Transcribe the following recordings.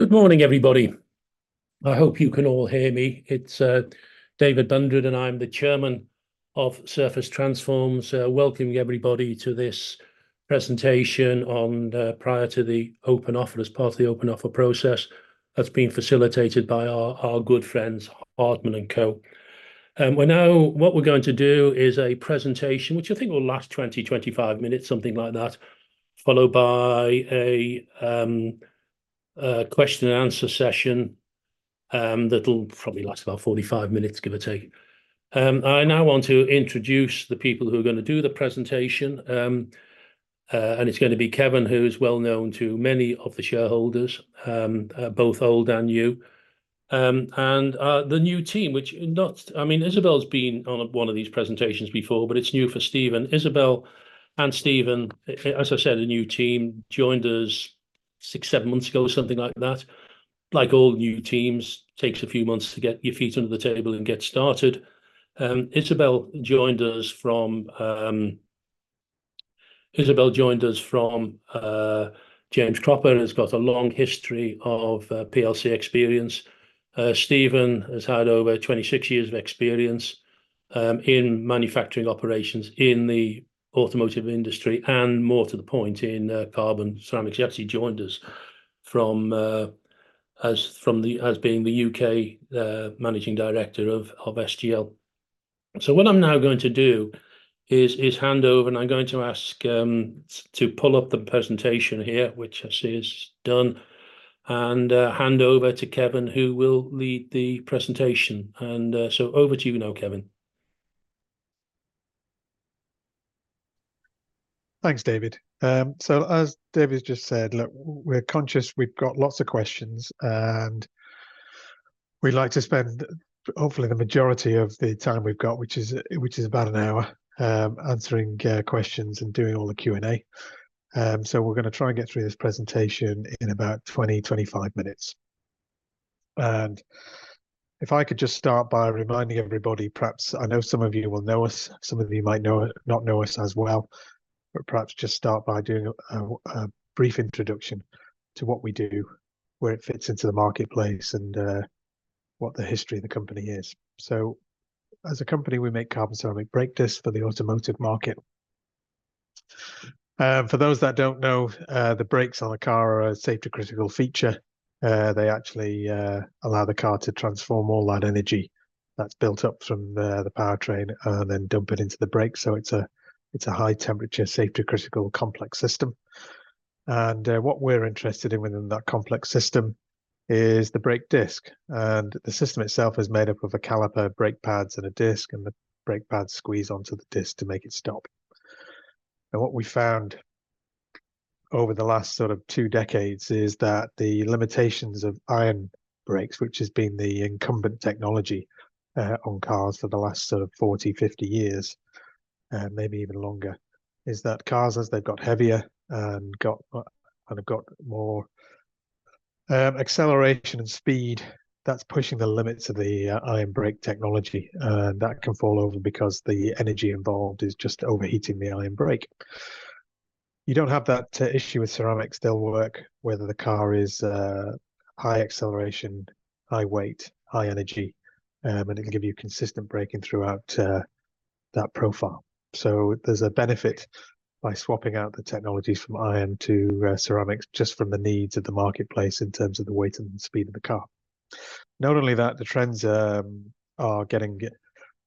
Good morning, everybody. I hope you can all hear me. It's David Bundred, and I'm the chairman of Surface Transforms, welcoming everybody to this presentation prior to the open offer, as part of the open offer process, that's been facilitated by our good friends, Hardman & Co. We're now—what we're going to do is a presentation, which I think will last 20-25 minutes, something like that, followed by a question and answer session, that'll probably last about 45 minutes, give or take. I now want to introduce the people who are gonna do the presentation, and it's gonna be Kevin, who's well known to many of the shareholders, both old and new, and the new team, which not—I mean, Isabelle's been on one of these presentations before, but it's new for Stephen. Isabelle and Stephen, as I said, a new team, joined us 6, 7 months ago, something like that. Like all new teams, takes a few months to get your feet under the table and get started. Isabelle joined us from James Cropper, and has got a long history of PLC experience. Stephen has had over 26 years of experience in manufacturing operations in the automotive industry, and more to the point, in carbon ceramics. He actually joined us from being the U.K. Managing Director of SGL. So what I'm now going to do is hand over, and I'm going to ask to pull up the presentation here, which I see is done, and hand over to Kevin, who will lead the presentation. Over to you now, Kevin. Thanks, David. So as David just said, look, we're conscious. We've got lots of questions, and we'd like to spend hopefully the majority of the time we've got, which is about an hour, answering questions and doing all the Q&A. So we're gonna try and get through this presentation in about 20-25 minutes. And if I could just start by reminding everybody, perhaps. I know some of you will know us, some of you might know, not know us as well, but perhaps just start by doing a brief introduction to what we do, where it fits into the marketplace, and what the history of the company is. So as a company, we make carbon ceramic brake discs for the automotive market. For those that don't know, the brakes on a car are a safety-critical feature. They actually allow the car to transform all that energy that's built up from the powertrain, and then dump it into the brakes. So it's a, it's a high-temperature, safety-critical, complex system. And what we're interested in within that complex system is the brake disc, and the system itself is made up of a caliper, brake pads, and a disc, and the brake pads squeeze onto the disc to make it stop. And what we found over the last sort of two decades is that the limitations of iron brakes, which has been the incumbent technology, on cars for the last sort of 40, 50 years, maybe even longer, is that cars, as they've got heavier and got and have got more acceleration and speed, that's pushing the limits of the iron brake technology. And that can fall over because the energy involved is just overheating the iron brake. You don't have that issue with ceramics. They'll work, whether the car is high acceleration, high weight, high energy, and it can give you consistent braking throughout that profile. So there's a benefit by swapping out the technology from iron to ceramics, just from the needs of the marketplace in terms of the weight and the speed of the car. Not only that, the trends are getting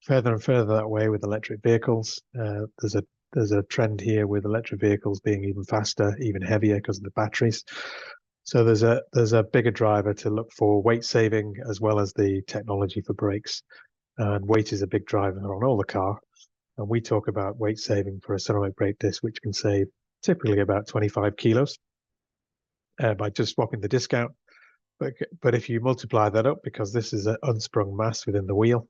further and further that way with electric vehicles. There's a trend here with electric vehicles being even faster, even heavier, 'cause of the batteries. So there's a bigger driver to look for weight saving as well as the technology for brakes, and weight is a big driver on all the car. We talk about weight saving for a ceramic brake disc, which can save typically about 25 kilos by just swapping the disc out. But if you multiply that up, because this is an unsprung mass within the wheel,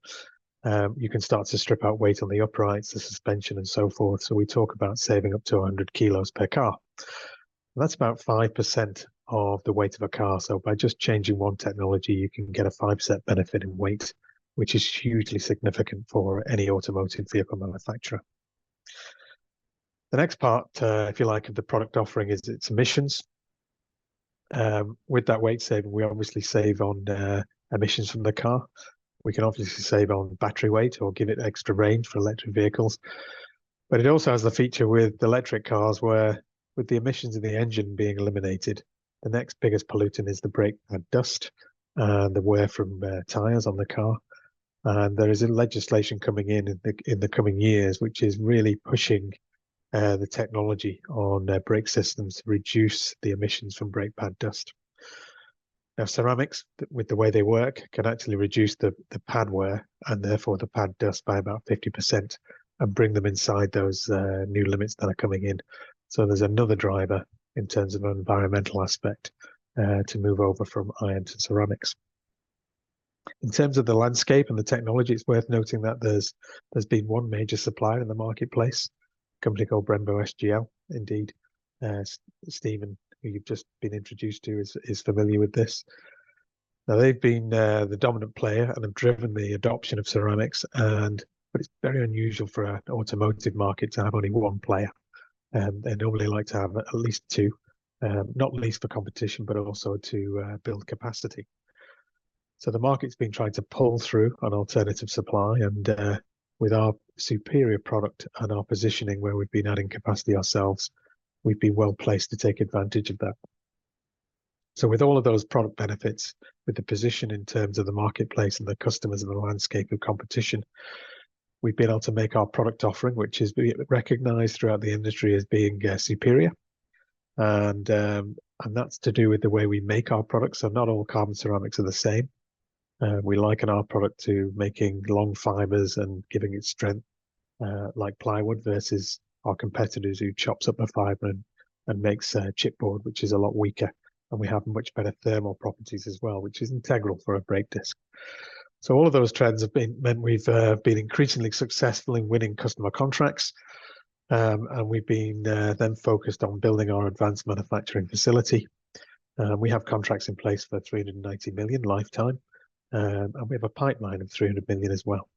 you can start to strip out weight on the uprights, the suspension, and so forth. So we talk about saving up to 100 kilos per car. That's about 5% of the weight of a car. So by just changing one technology, you can get a 5% benefit in weight, which is hugely significant for any automotive vehicle manufacturer. The next part, if you like, of the product offering, is its emissions. With that weight saving, we obviously save on emissions from the car. We can obviously save on battery weight or give it extra range for electric vehicles. But it also has the feature with electric cars, where with the emissions of the engine being eliminated, the next biggest pollutant is the brake pad dust, and the wear from tires on the car. And there is legislation coming in in the coming years, which is really pushing the technology on brake systems to reduce the emissions from brake pad dust. Now, ceramics, with the way they work, can actually reduce the pad wear, and therefore the pad dust by about 50%, and bring them inside those new limits that are coming in. So there's another driver in terms of environmental aspect to move over from iron to ceramics. In terms of the landscape and the technology, it's worth noting that there's been one major supplier in the marketplace, a company called Brembo SGL. Indeed, Stephen, who you've just been introduced to, is familiar with this. Now they've been the dominant player and have driven the adoption of ceramics, and but it's very unusual for an automotive market to have only one player. They normally like to have at least two, not least for competition, but also to build capacity. So the market's been trying to pull through an alternative supply, and with our superior product and our positioning where we've been adding capacity ourselves, we'd be well-placed to take advantage of that. So with all of those product benefits, with the position in terms of the marketplace and the customers and the landscape of competition, we've been able to make our product offering, which has been recognized throughout the industry as being superior. And, and that's to do with the way we make our products, so not all carbon ceramics are the same. We liken our product to making long fibers and giving it strength, like plywood, versus our competitors, who chops up a fiber and makes a chipboard, which is a lot weaker, and we have much better thermal properties as well, which is integral for a brake disc. So all of those trends have meant we've been increasingly successful in winning customer contracts. And we've been then focused on building our advanced manufacturing facility. We have contracts in place for 390 million lifetime, and we have a pipeline of 300 million as well.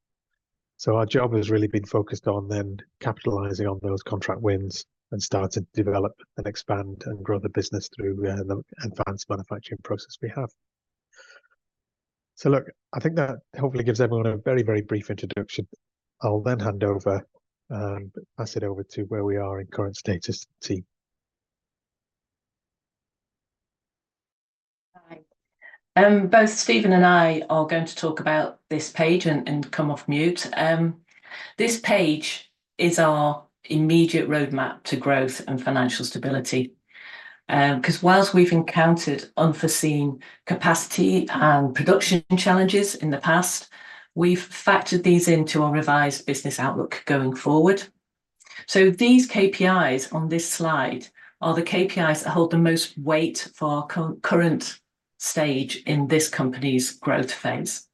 So our job has really been focused on then capitalizing on those contract wins and start to develop and expand and grow the business through, the advanced manufacturing process we have. So look, I think that hopefully gives everyone a very, very brief introduction. I'll then hand over, pass it over to where we are in current status team. Hi. Both Stephen and I are going to talk about this page and, and come off mute. This page is our immediate roadmap to growth and financial stability. 'Cause while we've encountered unforeseen capacity and production challenges in the past, we've factored these into our revised business outlook going forward. So these KPIs on this slide are the KPIs that hold the most weight for current stage in this company's growth phase.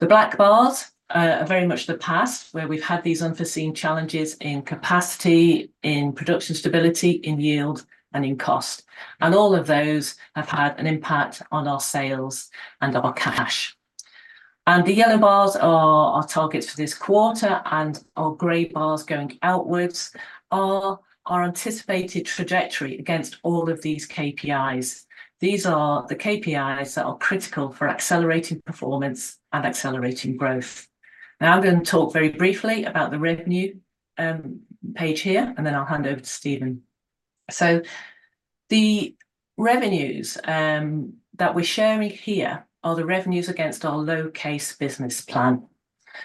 The black bars are very much the past, where we've had these unforeseen challenges in capacity, in production stability, in yield, and in cost, and all of those have had an impact on our sales and our cash. The yellow bars are our targets for this quarter, and our gray bars going outwards are our anticipated trajectory against all of these KPIs. These are the KPIs that are critical for accelerating performance and accelerating growth. Now, I'm going to talk very briefly about the revenue page here, and then I'll hand over to Stephen. So the revenues that we're sharing here are the revenues against our low-case business plan.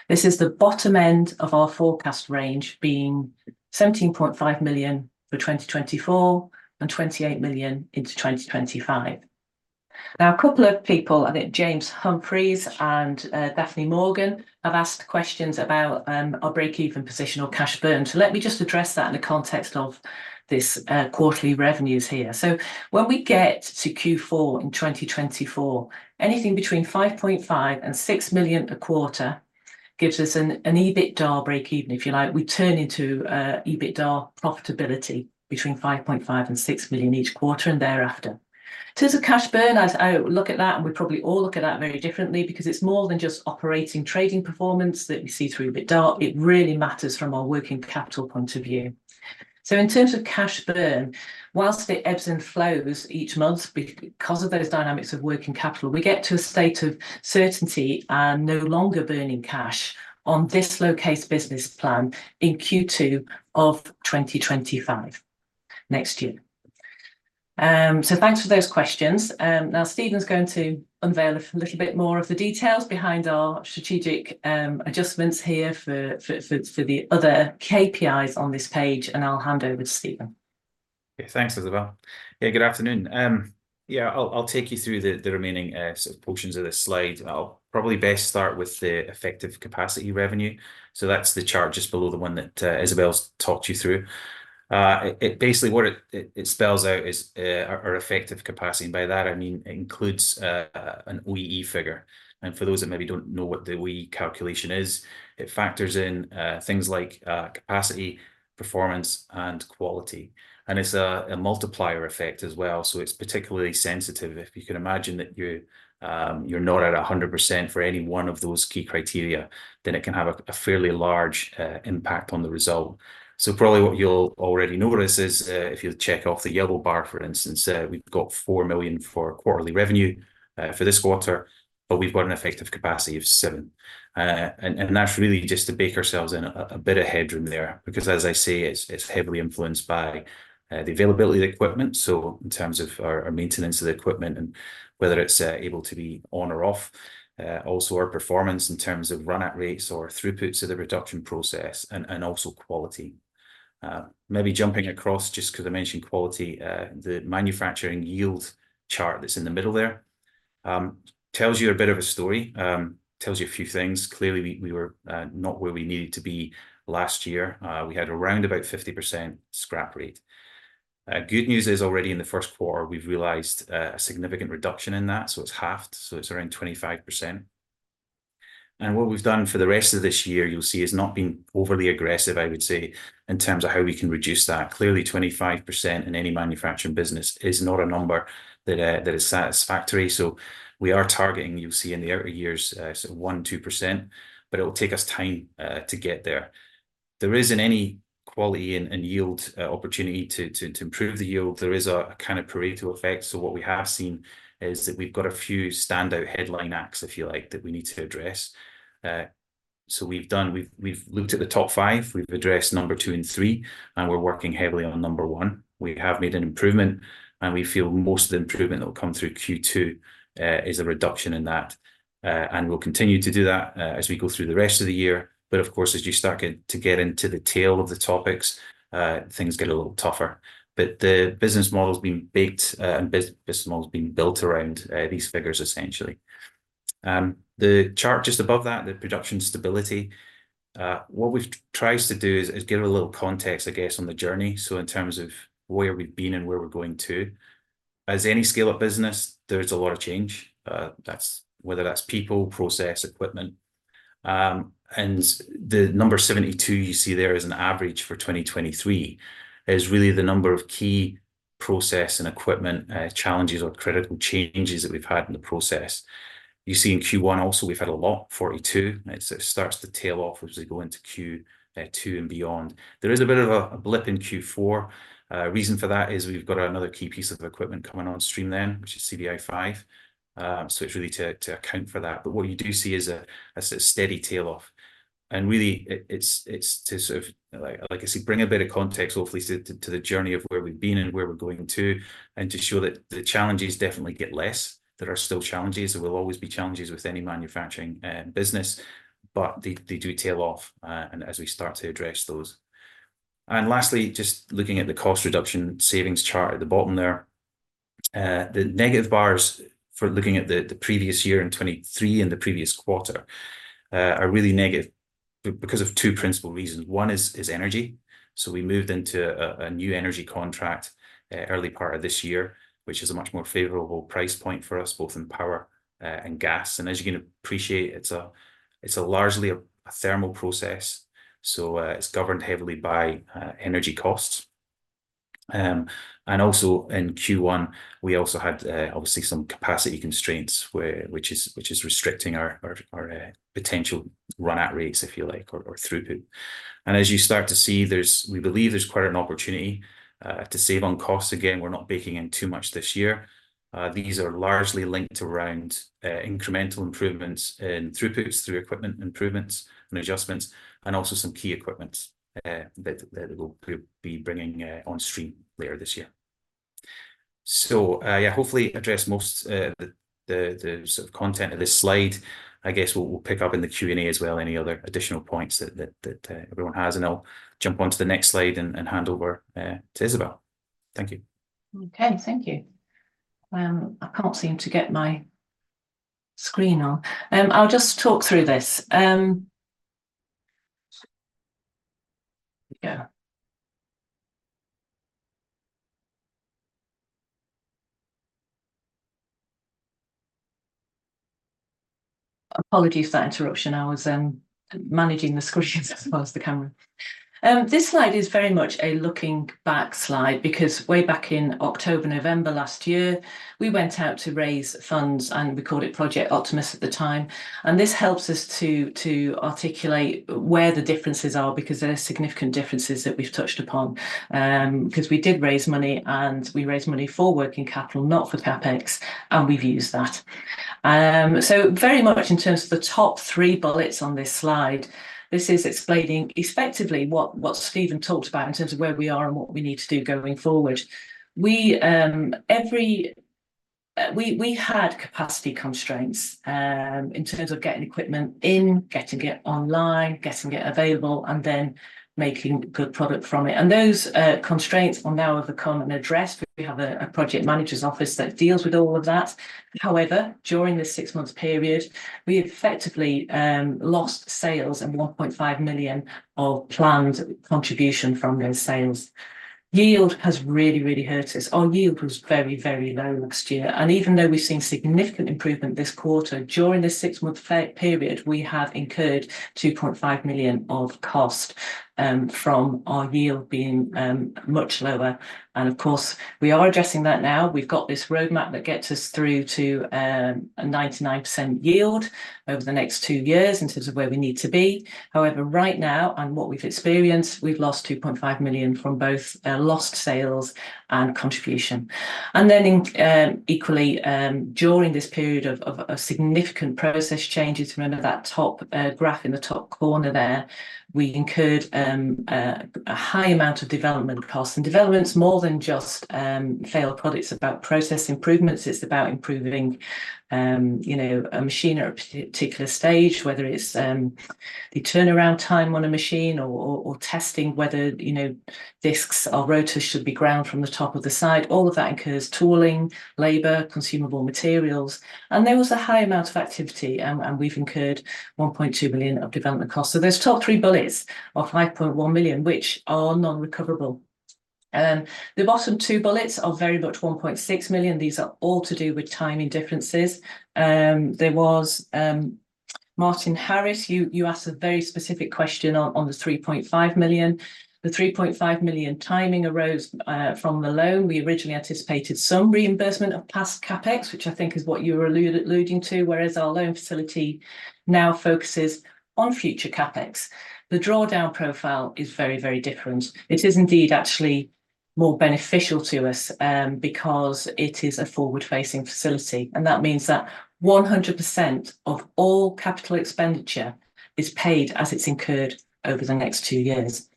This is the bottom end of our forecast range, being 17.5 million for 2024 and 28 million into 2025. Now, a couple of people, I think James Humphreys and Daphne Morgan, have asked questions about our break-even position or cash burn, so let me just address that in the context of this quarterly revenues here. So when we get to Q4 in 2024, anything between 5.5-6 million per quarter gives us an EBITDA break even, if you like. We turn into EBITDA profitability between 5.5 million and 6 million each quarter and thereafter. In terms of cash burn, I look at that, and we probably all look at that very differently, because it's more than just operating trading performance that we see through EBITDA. It really matters from a working capital point of view. So in terms of cash burn, while it ebbs and flows each month because of those dynamics of working capital, we get to a state of certainty and no longer burning cash on this low-case business plan in Q2 of 2025, next year. So thanks for those questions. Now Stephen's going to unveil a little bit more of the details behind our strategic adjustments here for the other KPIs on this page, and I'll hand over to Stephen. Yeah. Thanks, Isabelle. Yeah, good afternoon. Yeah, I'll take you through the remaining sort of portions of this slide. I'll probably best start with the effective capacity revenue, so that's the chart just below the one that Isabelle's talked you through. It basically spells out our effective capacity, and by that I mean it includes an OEE figure. And for those that maybe don't know what the OEE calculation is, it factors in things like capacity, performance, and quality, and it's a multiplier effect as well, so it's particularly sensitive. If you can imagine that you're not at 100% for any one of those key criteria, then it can have a fairly large impact on the result. So probably what you'll already notice is, if you check off the yellow bar, for instance, we've got 4 million for quarterly revenue, for this quarter, but we've got an effective capacity of 7. And that's really just to bake ourselves in a bit of headroom there. Because as I say, it's heavily influenced by the availability of the equipment, so in terms of our maintenance of the equipment and whether it's able to be on or off, also our performance in terms of run-out rates or throughputs of the reduction process and also quality. Maybe jumping across, just 'cause I mentioned quality, the manufacturing yield chart that's in the middle there, tells you a bit of a story, tells you a few things. Clearly, we were not where we needed to be last year. We had around about 50% scrap rate. Good news is already in the first quarter, we've realized a significant reduction in that, so it's halved, so it's around 25% and what we've done for the rest of this year, you'll see, has not been overly aggressive, I would say, in terms of how we can reduce that. Clearly, 25% in any manufacturing business is not a number that that is satisfactory. So we are targeting, you'll see in the outer years, so 10, 2%, but it will take us time to get there. There isn't any quality and yield opportunity to improve the yield. There is a kind of Pareto effect. So what we have seen is that we've got a few standout headline acts, if you like, that we need to address. So we've looked at the top five. We've addressed number two and three, and we're working heavily on number one. We have made an improvement, and we feel most of the improvement that will come through Q2 is a reduction in that. And we'll continue to do that as we go through the rest of the year. But of course, as you start to get into the tail of the topics, things get a little tougher. But the business model's been baked, and business model's been built around these figures, essentially. The chart just above that, the production stability, what we've tried to do is give a little context, I guess, on the journey, so in terms of where we've been and where we're going to. As any scale of business, there is a lot of change. That's whether that's people, process, equipment. And the number 72 you see there as an average for 2023, is really the number of key process and equipment challenges or critical changes that we've had in the process. You see in Q1 also, we've had a lot, 42. It starts to tail off as we go into Q two and beyond. There is a bit of a blip in Q4. Reason for that is we've got another key piece of equipment coming on stream then, which is CVI 5. So it's really to account for that. But what you do see is a sort of steady tail off, and really, it's to sort of, like, like I say, bring a bit of context, hopefully to the journey of where we've been and where we're going to, and to show that the challenges definitely get less. There are still challenges. There will always be challenges with any manufacturing business, but they do tail off, and as we start to address those. And lastly, just looking at the cost reduction savings chart at the bottom there, the negative bars for looking at the previous year in 2023 and the previous quarter are really negative because of two principal reasons. One is energy. So we moved into a new energy contract early part of this year, which is a much more favorable price point for us, both in power and gas. And as you can appreciate, it's largely a thermal process, so it's governed heavily by energy costs. And also in Q1, we also had obviously some capacity constraints, which is restricting our potential run rate, if you like, or throughput. And as you start to see, there's We believe there's quite an opportunity to save on costs. Again, we're not baking in too much this year. These are largely linked around incremental improvements in throughputs through equipment improvements and adjustments, and also some key equipments that we'll be bringing on stream later this year. So, yeah, hopefully addressed most of the sort of content of this slide. I guess we'll pick up in the Q&A as well, any other additional points that everyone has, and I'll jump onto the next slide and hand over to Isabelle. Thank you. Okay. Thank you. I can't seem to get my screen on. I'll just talk through this. Yeah. Apologies for that interruption. I was managing the screens as well as the camera. This slide is very much a looking back slide, because way back in October, November last year, we went out to raise funds, and we called it Project Optimus at the time. And this helps us to, to articulate where the differences are, because there are significant differences that we've touched upon. 'Cause we did raise money, and we raised money for working capital, not for CapEx, and we've used that. So very much in terms of the top three bullets on this slide, this is explaining effectively what, what Stephen talked about in terms of where we are and what we need to do going forward. We every. We had capacity constraints in terms of getting equipment in, getting it online, getting it available, and then making good product from it, and those constraints will now have become an address. We have a project manager's office that deals with all of that. However, during this six-month period, we effectively lost sales and 1.5 million of planned contribution from those sales. Yield has really, really hurt us. Our yield was very, very low last year, and even though we've seen significant improvement this quarter, during this six-month period, we have incurred 2.5 million of cost from our yield being much lower. And of course, we are addressing that now. We've got this roadmap that gets us through to a 99% yield over the next two years in terms of where we need to be. However, right now, and what we've experienced, we've lost 2.5 million from both, lost sales and contribution. And then in, equally, during this period of significant process changes, remember that top graph in the top corner there, we incurred a high amount of development costs. And development's more than just failed products. It's about process improvements, it's about improving, you know, a machine at a particular stage, whether it's the turnaround time on a machine or testing whether, you know, discs or rotors should be ground from the top or the side. All of that incurs tooling, labor, consumable materials, and there was a high amount of activity, and we've incurred 1.2 million of development costs. So those top three bullets of 5.1 million, which are non-recoverable? The bottom two bullets are very much 1.6 million. These are all to do with timing differences. There was, Martin Harris, you asked a very specific question on, on the 3.5 million. The 3.5 million timing arose from the loan. We originally anticipated some reimbursement of past CapEx, which I think is what you were alluding to, whereas our loan facility now focuses on future CapEx. The drawdown profile is very, very different. It is indeed actually more beneficial to us, because it is a forward-facing facility, and that means that 100% of all capital expenditure is paid as it's incurred over the next two years.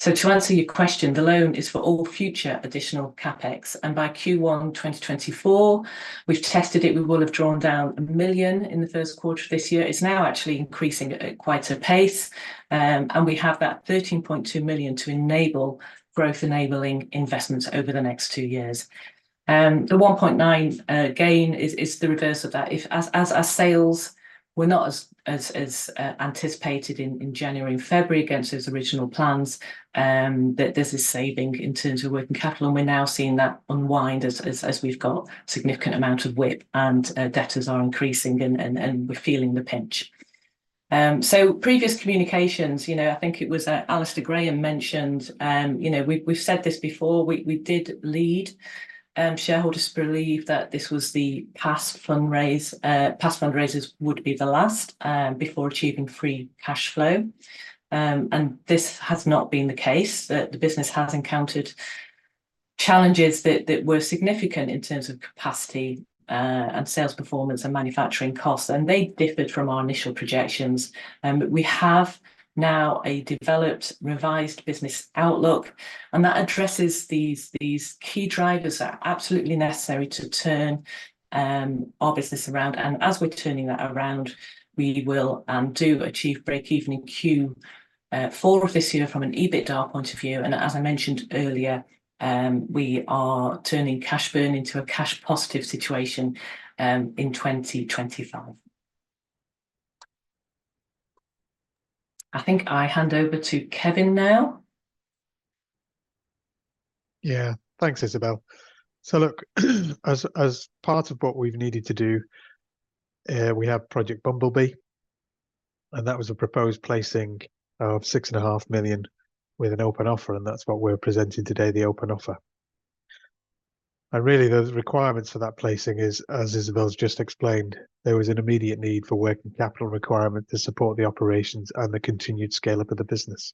So to answer your question, the loan is for all future additional CapEx, and by Q1 2024, we've tested it. We will have drawn down 1 million in the first quarter of this year. It's now actually increasing at quite a pace, and we have that 13.2 million to enable growth-enabling investments over the next two years. The 1.9 gain is the reverse of that. As sales were not as anticipated in January and February against those original plans, that this is saving in terms of working capital, and we're now seeing that unwind as we've got significant amount of WIP and debtors are increasing, and we're feeling the pinch. So previous communications, you know, I think it was, Alistair Graham mentioned, you know, we've, we've said this before, we, we did lead, shareholders to believe that this was the past fundraise- past fundraisers would be the last, before achieving free cash flow. And this has not been the case, that the business has encountered challenges that, that were significant in terms of capacity, and sales performance and manufacturing costs, and they differed from our initial projections. But we have now a developed, revised business outlook, and that addresses these, these key drivers that are absolutely necessary to turn, our business around. As we're turning that around, we will do achieve break-even in Q4 of this year from an EBITDA point of view, and as I mentioned earlier, we are turning cash burn into a cash positive situation in 2025. I think I hand over to Kevin now. Yeah. Thanks, Isabelle. So look, as part of what we've needed to do, we have Project Bumblebee, and that was a proposed placing of 6.5 million with an open offer, and that's what we're presenting today, the open offer. And really, the requirements for that placing is, as Isabelle's just explained, there was an immediate need for working capital requirement to support the operations and the continued scale-up of the business.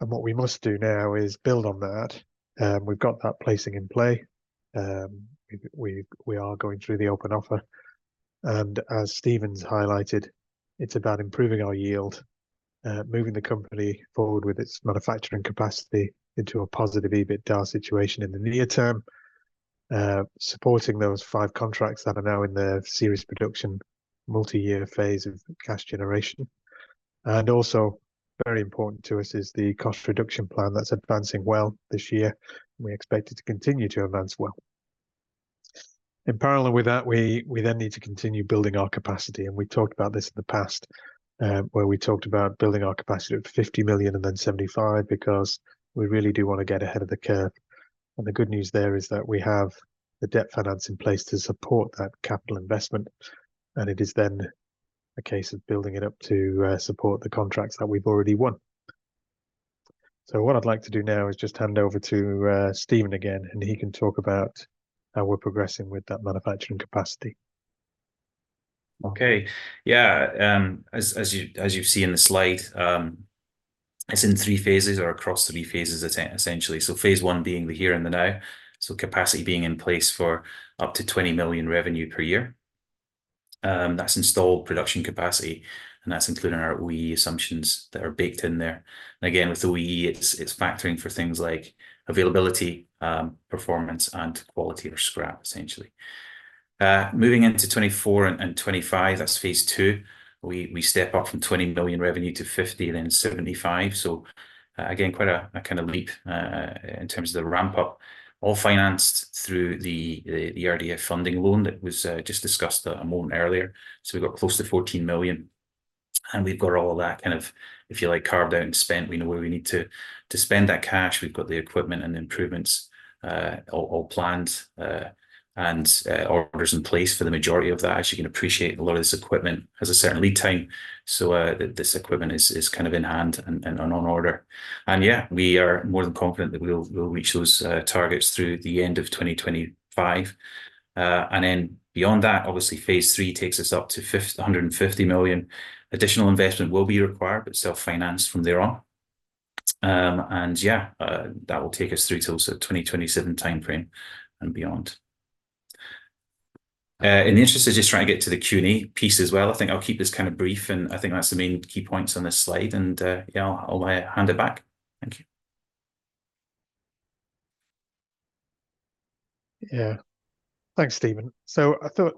And what we must do now is build on that. We've got that placing in play. We are going through the open offer, and as Stephen's highlighted, it's about improving our yield, moving the company forward with its manufacturing capacity into a positive EBITDA situation in the near term, supporting those five contracts that are now in the serious production, multi-year phase of cash generation. And also very important to us is the cost reduction plan that's advancing well this year. We expect it to continue to advance well. In parallel with that, we then need to continue building our capacity, and we talked about this in the past, where we talked about building our capacity to 50 million and then 75, because we really do want to get ahead of the curve. And the good news there is that we have the debt finance in place to support that capital investment, and it is then a case of building it up to support the contracts that we've already won. So what I'd like to do now is just hand over to Stephen again, and he can talk about how we're progressing with that manufacturing capacity. Okay. Yeah, as, as you, as you see in the slide, it's in three phases or across three phases essentially. So phase one being the here and the now, so capacity being in place for up to 20 million revenue per year. That's installed production capacity, and that's including our OEE assumptions that are baked in there. And again, with the OEE, it's, it's factoring for things like availability, performance, and quality or scrap, essentially. Moving into 2024 and 2025, that's phase two, we, we step up from 20 million revenue to 50 and then 75. So, again, quite a, a kind of leap, in terms of the ramp-up, all financed through the ERDF funding loan that was just discussed a moment earlier. So we've got close to 14 million, and we've got all of that kind of, if you like, carved out and spent. We know where we need to spend that cash. We've got the equipment and improvements, all planned, and orders in place for the majority of that. As you can appreciate, a lot of this equipment has a certain lead time, so this equipment is kind of in hand and on order. And yeah, we are more than confident that we'll reach those targets through the end of 2025. And then beyond that, obviously, phase three takes us up to 150 million. Additional investment will be required, but self-financed from there on. And yeah, that will take us through till 2027 timeframe and beyond. In the interest of just trying to get to the Q&A piece as well, I think I'll keep this kind of brief, and I think that's the main key points on this slide. Yeah, I'll hand it back. Thank you. Yeah. Thanks, Stephen. So I thought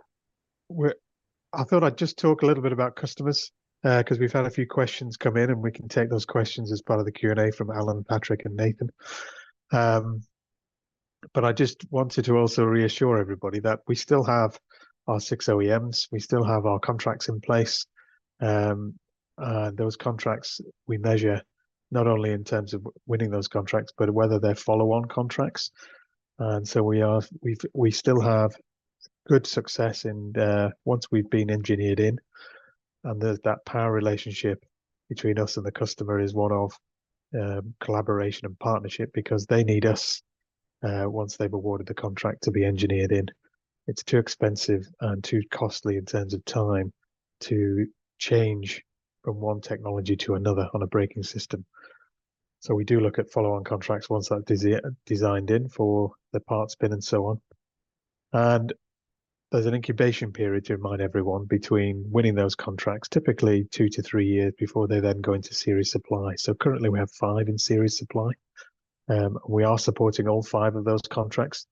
I'd just talk a little bit about customers, 'cause we've had a few questions come in, and we can take those questions as part of the Q&A from Alan, Patrick, and Nathan. But I just wanted to also reassure everybody that we still have our six OEMs, we still have our contracts in place. Those contracts, we measure not only in terms of winning those contracts, but whether they're follow-on contracts. And so we still have good success in once we've been engineered in, and there's that power relationship between us and the customer is one of collaboration and partnership because they need us once they've awarded the contract to be engineered in. It's too expensive and too costly in terms of time to change from one technology to another on a braking system. So we do look at follow-on contracts once they're designed in for the parts bin, and so on. There's an incubation period, to remind everyone, between winning those contracts, typically 2-3 years before they then go into series supply. So currently, we have five in series supply. We are supporting all five of those contracts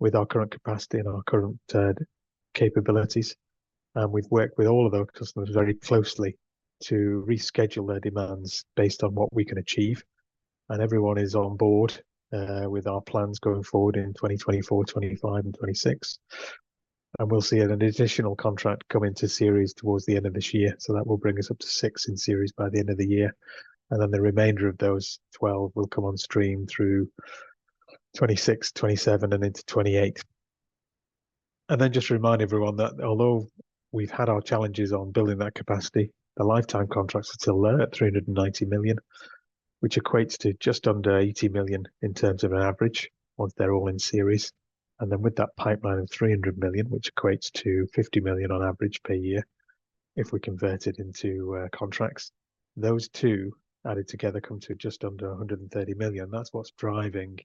with our current capacity and our current capabilities, and we've worked with all of those customers very closely to reschedule their demands based on what we can achieve, and everyone is on board with our plans going forward in 2024, 2025, and 2026. And we'll see an additional contract come into series towards the end of this year, so that will bring us up to six in series by the end of the year. And then the remainder of those twelve will come on stream through 2026, 2027, and into 2028. And then just to remind everyone that although we've had our challenges on building that capacity, the lifetime contracts are still there at 390 million, which equates to just under 80 million in terms of an average, once they're all in series. And then with that pipeline of 300 million, which equates to 50 million on average per year, if we convert it into contracts, those two added together come to just under 130 million. That's what's driving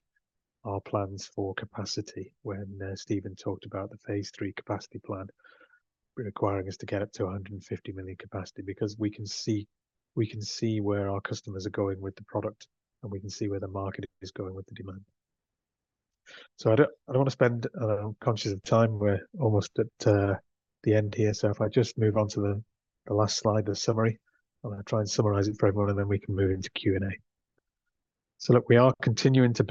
our plans for capacity when Stephen talked about the phase three capacity plan requiring us to get up to 150 million capacity because we can see, we can see where our customers are going with the product, and we can see where the market is going with the demand. So I don't, I don't wanna spend. I'm conscious of time. We're almost at the end here, so if I just move on to the last slide, the summary. I'm gonna try and summarize it for everyone, and then we can move into Q&A. So look, we are continuing to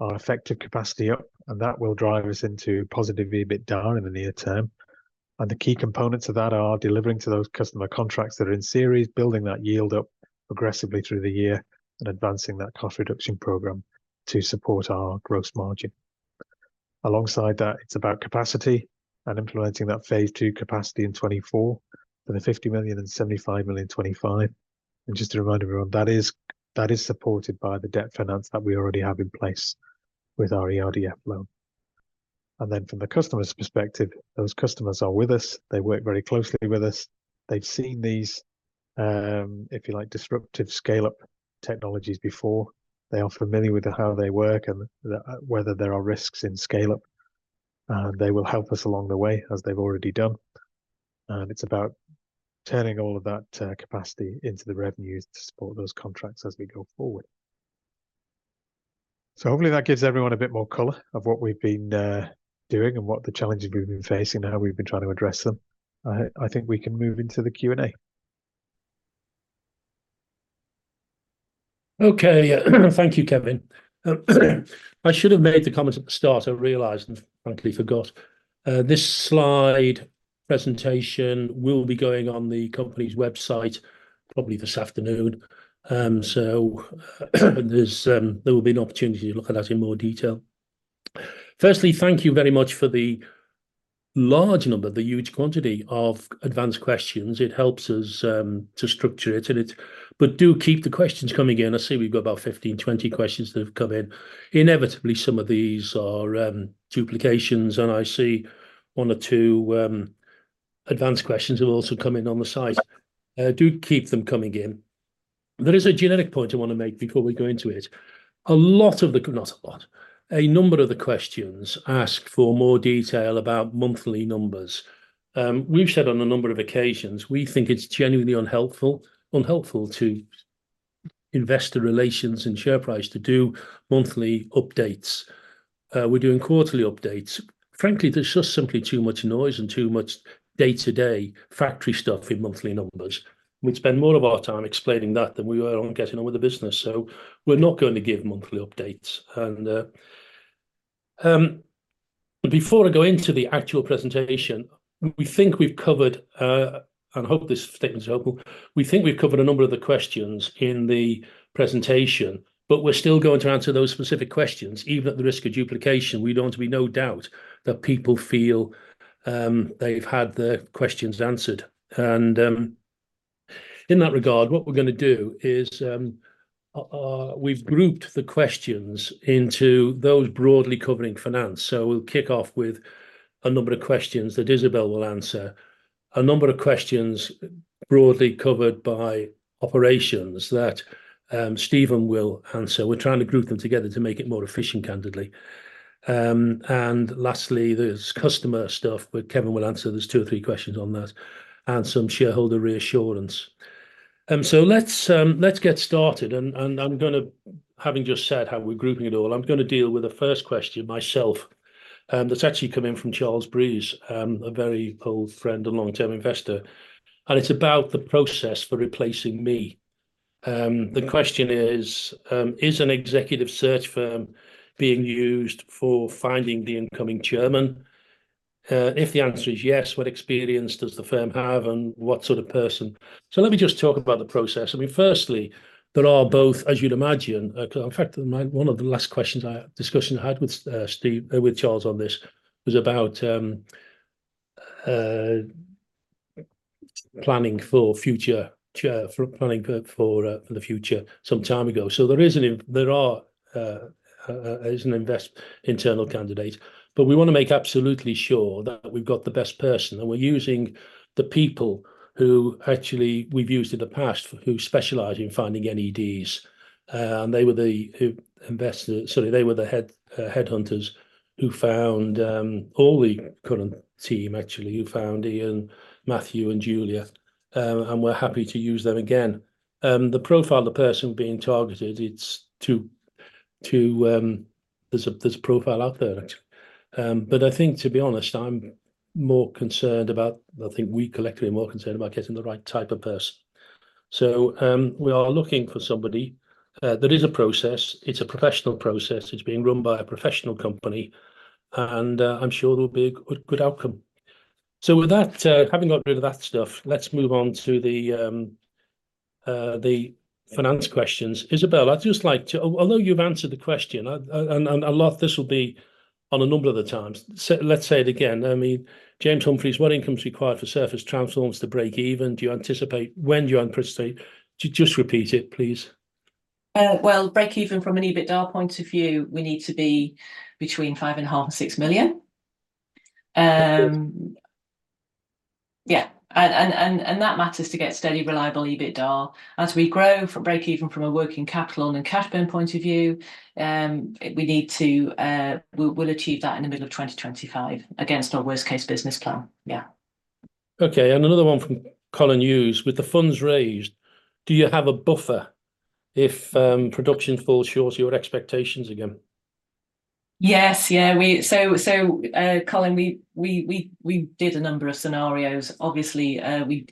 build our effective capacity up, and that will drive us into positive EBITDA in the near term. The key components of that are delivering to those customer contracts that are in series, building that yield up aggressively through the year, and advancing that cost reduction program to support our gross margin. Alongside that, it's about capacity and implementing that phase two capacity in 2024, and the 50 million and 75 million in 2025. And just to remind everyone, that is, that is supported by the debt finance that we already have in place with our ERDF loan. And then from the customer's perspective, those customers are with us. They work very closely with us. They've seen these, if you like, disruptive scale-up technologies before. They are familiar with how they work and whether there are risks in scale-up, and they will help us along the way, as they've already done. And it's about turning all of that capacity into the revenues to support those contracts as we go forward. So hopefully that gives everyone a bit more color of what we've been doing and what the challenges we've been facing and how we've been trying to address them. I think we can move into the Q&A. Okay. Thank you, Kevin. I should have made the comment at the start. I realized and frankly forgot this slide presentation will be going on the company's website probably this afternoon. So there will be an opportunity to look at that in more detail. Firstly, thank you very much for the large number, the huge quantity of advanced questions. It helps us to structure it. But do keep the questions coming in. I see we've got about 15, 20 questions that have come in. Inevitably, some of these are duplications, and I see one or two advanced questions have also come in on the side. Do keep them coming in. There is a generic point I wanna make before we go into it. A lot of the. Not a lot, a number of the questions ask for more detail about monthly numbers. We've said on a number of occasions, we think it's genuinely unhelpful, unhelpful to investor relations and share price to do monthly updates. We're doing quarterly updates. Frankly, there's just simply too much noise and too much day-to-day factory stuff in monthly numbers. We'd spend more of our time explaining that than we would on getting on with the business, so we're not going to give monthly updates. Before I go into the actual presentation, we think we've covered, and hope this statement is helpful. We think we've covered a number of the questions in the presentation, but we're still going to answer those specific questions, even at the risk of duplication. We have no doubt that people feel they've had their questions answered. In that regard, what we're gonna do is, we've grouped the questions into those broadly covering finance. So we'll kick off with a number of questions that Isabelle will answer, a number of questions broadly covered by operations that Stephen will answer. We're trying to group them together to make it more efficient, candidly. And lastly, there's customer stuff, where Kevin will answer, there's two or three questions on that, and some shareholder reassurance. So let's get started, and I'm gonna, having just said how we're grouping it all, I'm gonna deal with the first question myself, that's actually come in from Charles Breese, a very old friend and long-term investor, and it's about the process for replacing me. The question is, is an executive search firm being used for finding the incoming chairman? If the answer is yes, what experience does the firm have, and what sort of person? So let me just talk about the process. I mean, firstly, there are both, as you'd imagine, in fact, one of the last discussions I had with Steve with Charles on this was about planning for future chair for planning for the future some time ago. So there is an internal candidate, but we wanna make absolutely sure that we've got the best person, and we're using the people who actually we've used in the past, who specialize in finding NEDs. And they were the investors. Sorry, they were the head headhunters who found all the current team, actually, who found Ian, Matthew, and Julia. And we're happy to use them again. The profile of the person being targeted, it's to, to, there's a profile out there, actually. But I think to be honest, I'm more concerned about. I think we collectively are more concerned about getting the right type of person. So, we are looking for somebody. There is a process, it's a professional process. It's being run by a professional company, and, I'm sure there will be a good, good outcome. So with that, having got rid of that stuff, let's move on to the finance questions. Isabelle, I'd just like to. Although you've answered the question, and a lot of this will be on a number of the times, so let's say it again. I mean, James Humphreys, what income is required for Surface Transforms to break even? When do you anticipate? Just repeat it, please. Well, break even from an EBITDA point of view, we need to be between 5.5 million and 6 million. Yeah, and that matters to get steady, reliable EBITDA. As we grow from break even from a working capital and cash burn point of view, we need to. We, we'll achieve that in the middle of 2025, against our worst case business plan. Yeah. Okay, and another one from Colin Hughes: With the funds raised, do you have a buffer if production falls short of your expectations again? Yes. Yeah, we. So, Colin, we did a number of scenarios. Obviously,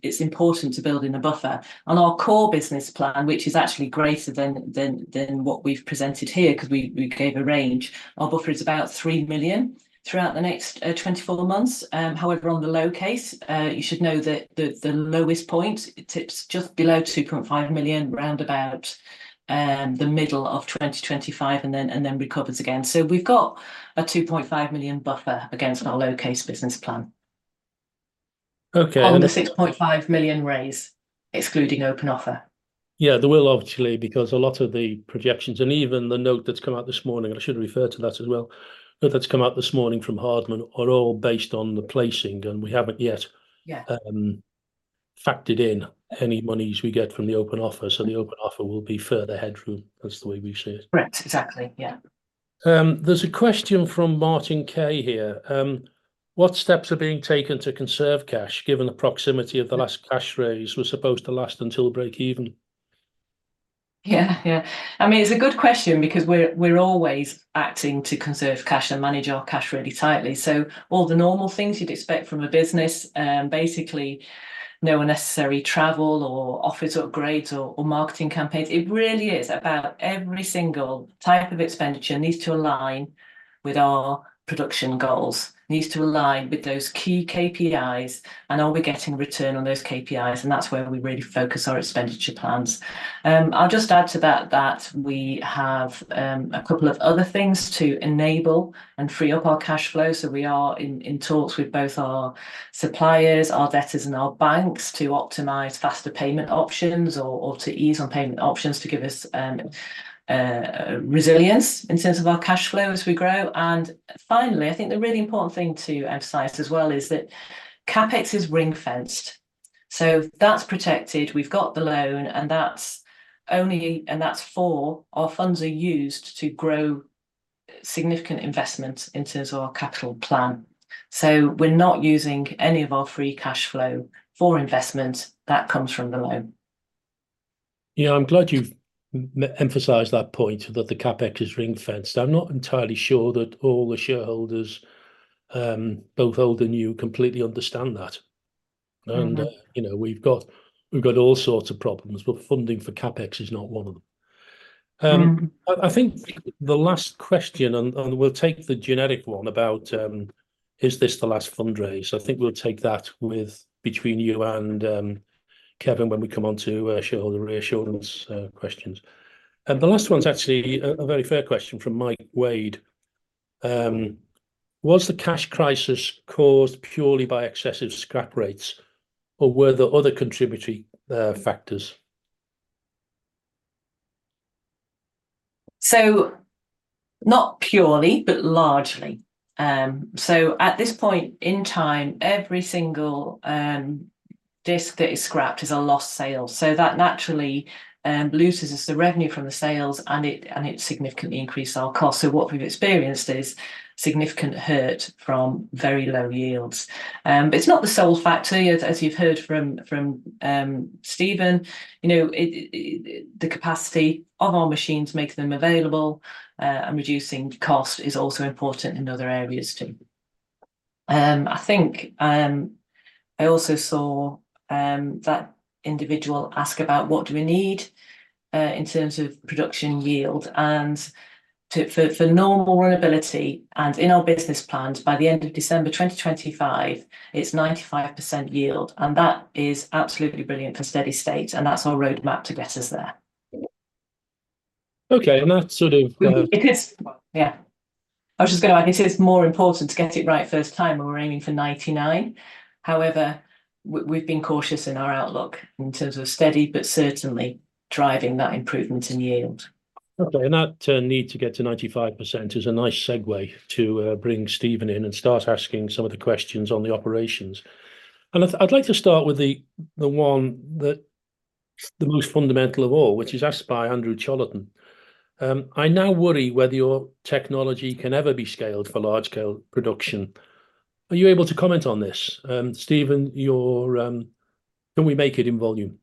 it's important to build in a buffer. On our core business plan, which is actually greater than what we've presented here, 'cause we gave a range, our buffer is about 3 million throughout the next 24 months. However, on the low case, you should know that the lowest point, it tips just below 2.5 million, round about the middle of 2025, and then recovers again. So we've got a 2.5 million buffer against our low-case business plan. Okay, and. On the 6.5 million raise, excluding open offer. Yeah, there will obviously, because a lot of the projections and even the note that's come out this morning, I should refer to that as well, note that's come out this morning from Hardman, are all based on the placing, and we haven't yet factored in any monies we get from the open offer. So the open offer will be further headroom. That's the way we see it. Correct. Exactly, yeah. There's a question from Martin Kay here. What steps are being taken to conserve cash, given the proximity of the last cash raise was supposed to last until break even? Yeah, yeah. I mean, it's a good question because we're, we're always acting to conserve cash and manage our cash really tightly. So all the normal things you'd expect from a business, basically no unnecessary travel or office upgrades or, or marketing campaigns. It really is about every single type of expenditure needs to align with our production goals, needs to align with those key KPIs, and are we getting return on those KPIs, and that's where we really focus our expenditure plans. I'll just add to that, that we have, a couple of other things to enable and free up our cash flow, so we are in, in talks with both our suppliers, our debtors, and our banks, to optimize faster payment options or, or to ease on payment options to give us, resilience in terms of our cash flow as we grow. And finally, I think the really important thing to emphasize as well is that CapEx is ring-fenced, so that's protected. We've got the loan, and that's only. And that's for our funds are used to grow significant investments in terms of our capital plan. So we're not using any of our free cash flow for investment. That comes from the loan. Yeah, I'm glad you've emphasized that point, that the CapEx is ring-fenced. I'm not entirely sure that all the shareholders, both old and new, completely understand that. You know, we've got, we've got all sorts of problems, but funding for CapEx is not one of them. I think the last question, and we'll take the generic one about is this the last fundraise? I think we'll take that with between you and Kevin when we come on to shareholder reassurance questions. And the last one's actually a very fair question from Mike Wade: Was the cash crisis caused purely by excessive scrap rates, or were there other contributory factors? So not purely, but largely. So at this point in time, every single disc that is scrapped is a lost sale. So that naturally loses us the revenue from the sales, and it significantly increased our cost. So what we've experienced is significant hurt from very low yields. But it's not the sole factor. As you've heard from Stephen, you know, it. The capacity of our machines, making them available and reducing cost is also important in other areas, too. I think I also saw that individual asked about what do we need in terms of production yield. And for normal runnability and in our business plans, by the end of December 2025, it's 95% yield, and that is absolutely brilliant for steady state, and that's our roadmap to get us there. Okay, and that's sort of. Yeah, I was just gonna add, it is more important to get it right first time, and we're aiming for 99. However, we've been cautious in our outlook in terms of steady, but certainly driving that improvement in yield. Okay, and that need to get to 95% is a nice segue to bring Stephen in and start asking some of the questions on the operations. And I'd, I'd like to start with the one that's the most fundamental of all, which is asked by Andrew Cholerton. "I now worry whether your technology can ever be scaled for large-scale production." Are you able to comment on this? Stephen, you're, can we make it in volume?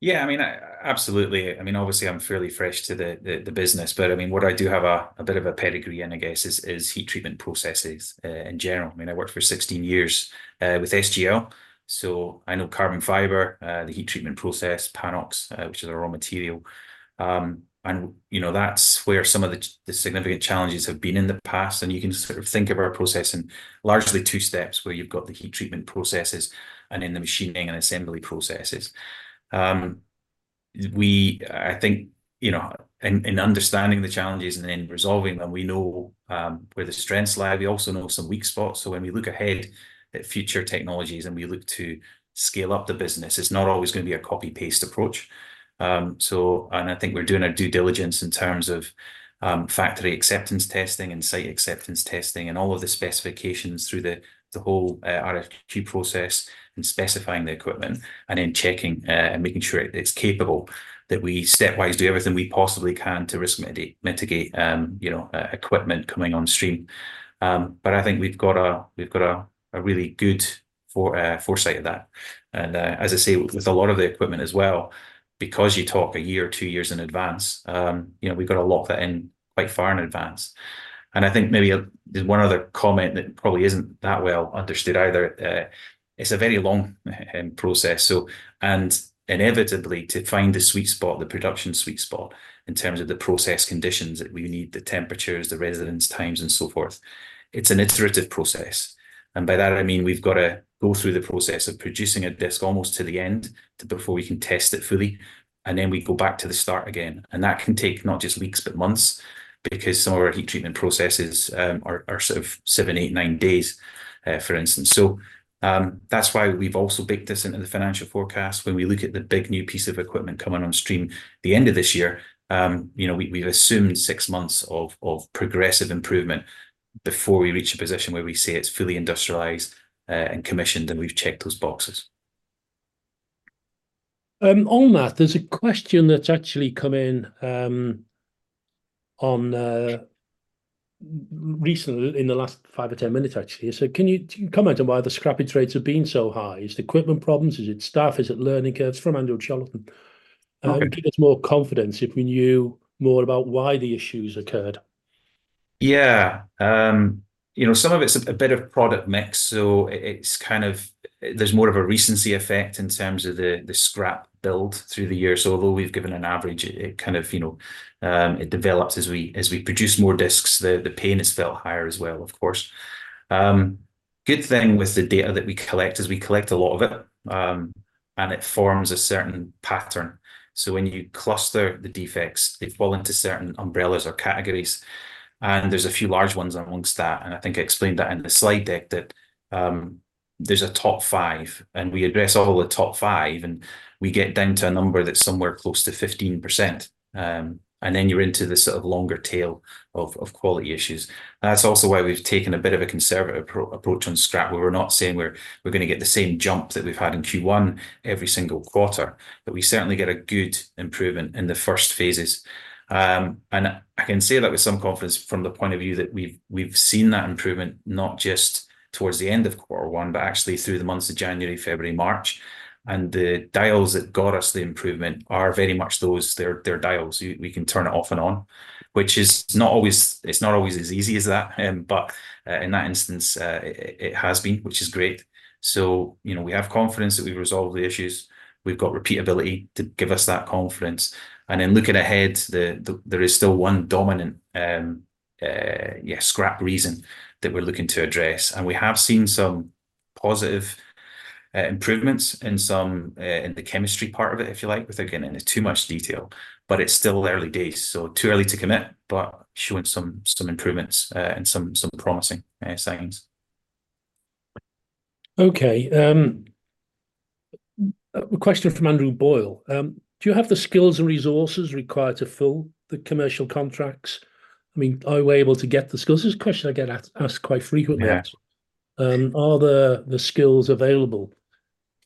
Yeah, I mean, absolutely. I mean, obviously, I'm fairly fresh to the business, but, I mean, what I do have a bit of a pedigree in, I guess, is heat treatment processes in general. I mean, I worked for 16 years with SGL, so I know carbon fiber, the heat treatment process, PANOX, which is a raw material. And, you know, that's where some of the significant challenges have been in the past. And you can sort of think of our process in largely two steps, where you've got the heat treatment processes and then the machining and assembly processes. I think, you know, in understanding the challenges and then resolving them, we know where the strengths lie. We also know some weak spots, so when we look ahead at future technologies and we look to scale up the business, it's not always gonna be a copy-paste approach. So, and I think we're doing our due diligence in terms of factory acceptance testing and site acceptance testing, and all of the specifications through the whole RFQ process, and specifying the equipment, and then checking and making sure it's capable, that we stepwise do everything we possibly can to risk mitigate, you know, equipment coming on stream. But I think we've got a really good foresight of that. And, as I say, with a lot of the equipment as well, because you talk a year or two years in advance, you know, we've got to lock that in quite far in advance. I think maybe there's one other comment that probably isn't that well understood either. It's a very long process, so. Inevitably, to find the sweet spot, the production sweet spot, in terms of the process conditions that we need, the temperatures, the residence times, and so forth, it's an iterative process. By that, I mean we've got to go through the process of producing a disc almost to the end before we can test it fully, and then we go back to the start again. That can take not just weeks, but months, because some of our heat treatment processes are sort of 7, 8, 9 days for instance. So, that's why we've also baked this into the financial forecast. When we look at the big new piece of equipment coming on stream the end of this year, you know, we've assumed six months of progressive improvement before we reach a position where we say it's fully industrialized, and commissioned, and we've checked those boxes. On that, there's a question that's actually come in recently, in the last five or 10 minutes, actually. So can you comment on why the scrap rates have been so high? Is it equipment problems? Is it staff? Is it learning curves? From Andrew Cholerton. Okay. It would give us more confidence if we knew more about why the issues occurred. Yeah, you know, some of it's a bit of product mix, so it's kind of. There's more of a recency effect in terms of the scrap build through the year. So although we've given an average, it kind of, you know, it develops as we produce more discs, the pain is felt higher as well, of course. Good thing with the data that we collect is we collect a lot of it, and it forms a certain pattern. So when you cluster the defects, they fall into certain umbrellas or categories, and there's a few large ones amongst that. And I think I explained that in the slide deck, that there's a top five, and we address all the top five, and we get down to a number that's somewhere close to 15%. And then you're into the sort of longer tail of quality issues. And that's also why we've taken a bit of a conservative approach on scrap, where we're not saying we're gonna get the same jump that we've had in Q1 every single quarter. But we certainly get a good improvement in the first phases. And I can say that with some confidence from the point of view that we've seen that improvement, not just towards the end of quarter one, but actually through the months of January, February, March. And the dials that got us the improvement are very much those. They're dials. We can turn it off and on, which is not always as easy as that, but in that instance, it has been, which is great. So, you know, we have confidence that we've resolved the issues. We've got repeatability to give us that confidence. And then looking ahead, there is still one dominant scrap reason that we're looking to address. And we have seen some positive improvements in the chemistry part of it, if you like, without getting into too much detail, but it's still early days, so too early to commit, but showing some promising signs. Okay, a question from Andrew Boyle: Do you have the skills and resources required to fill the commercial contracts? I mean, are we able to get the skills? This is a question I get asked quite frequently Are the skills available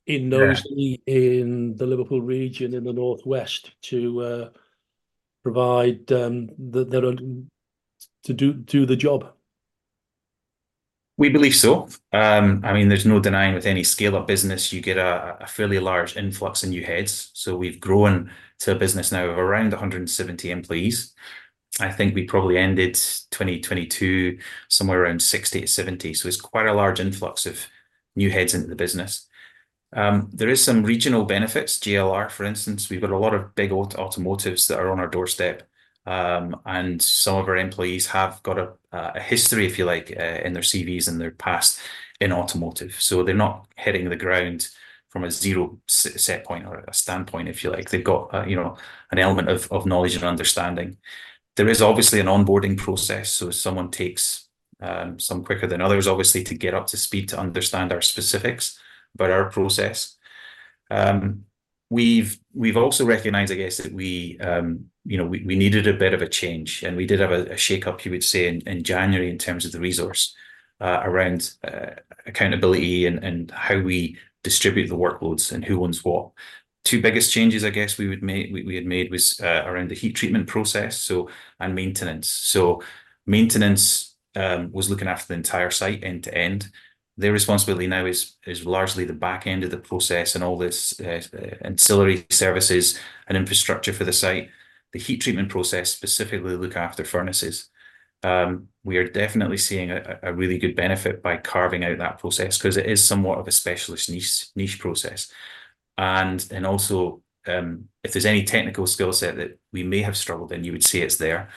in those in the Liverpool region, in the North West, to provide the to do the job? We believe so. I mean, there's no denying with any scale of business, you get a fairly large influx in new heads. So we've grown to a business now of around 170 employees. I think we probably ended 2022 somewhere around 60 to 70. So it's quite a large influx of new heads into the business. There is some regional benefits. JLR, for instance, we've got a lot of big automotives that are on our doorstep. And some of our employees have got a history, if you like, in their CVs and their past in automotive. So they're not hitting the ground from a zero set point or a standpoint, if you like. They've got a, you know, an element of knowledge and understanding. There is obviously an onboarding process, so someone takes some quicker than others, obviously, to get up to speed to understand our specifics about our process. We've also recognized, I guess, that we, you know, we needed a bit of a change, and we did have a shake-up, you would say, in January in terms of the resource around accountability and how we distribute the workloads and who owns what. Two biggest changes, I guess, we would make, we had made was around the heat treatment process, so and maintenance. So maintenance was looking after the entire site end to end. Their responsibility now is largely the back end of the process and all this ancillary services and infrastructure for the site. The heat treatment process, specifically look after furnaces. We are definitely seeing a really good benefit by carving out that process 'cause it is somewhat of a specialist niche process. And then also, if there's any technical skill set that we may have struggled in, you would say it's there.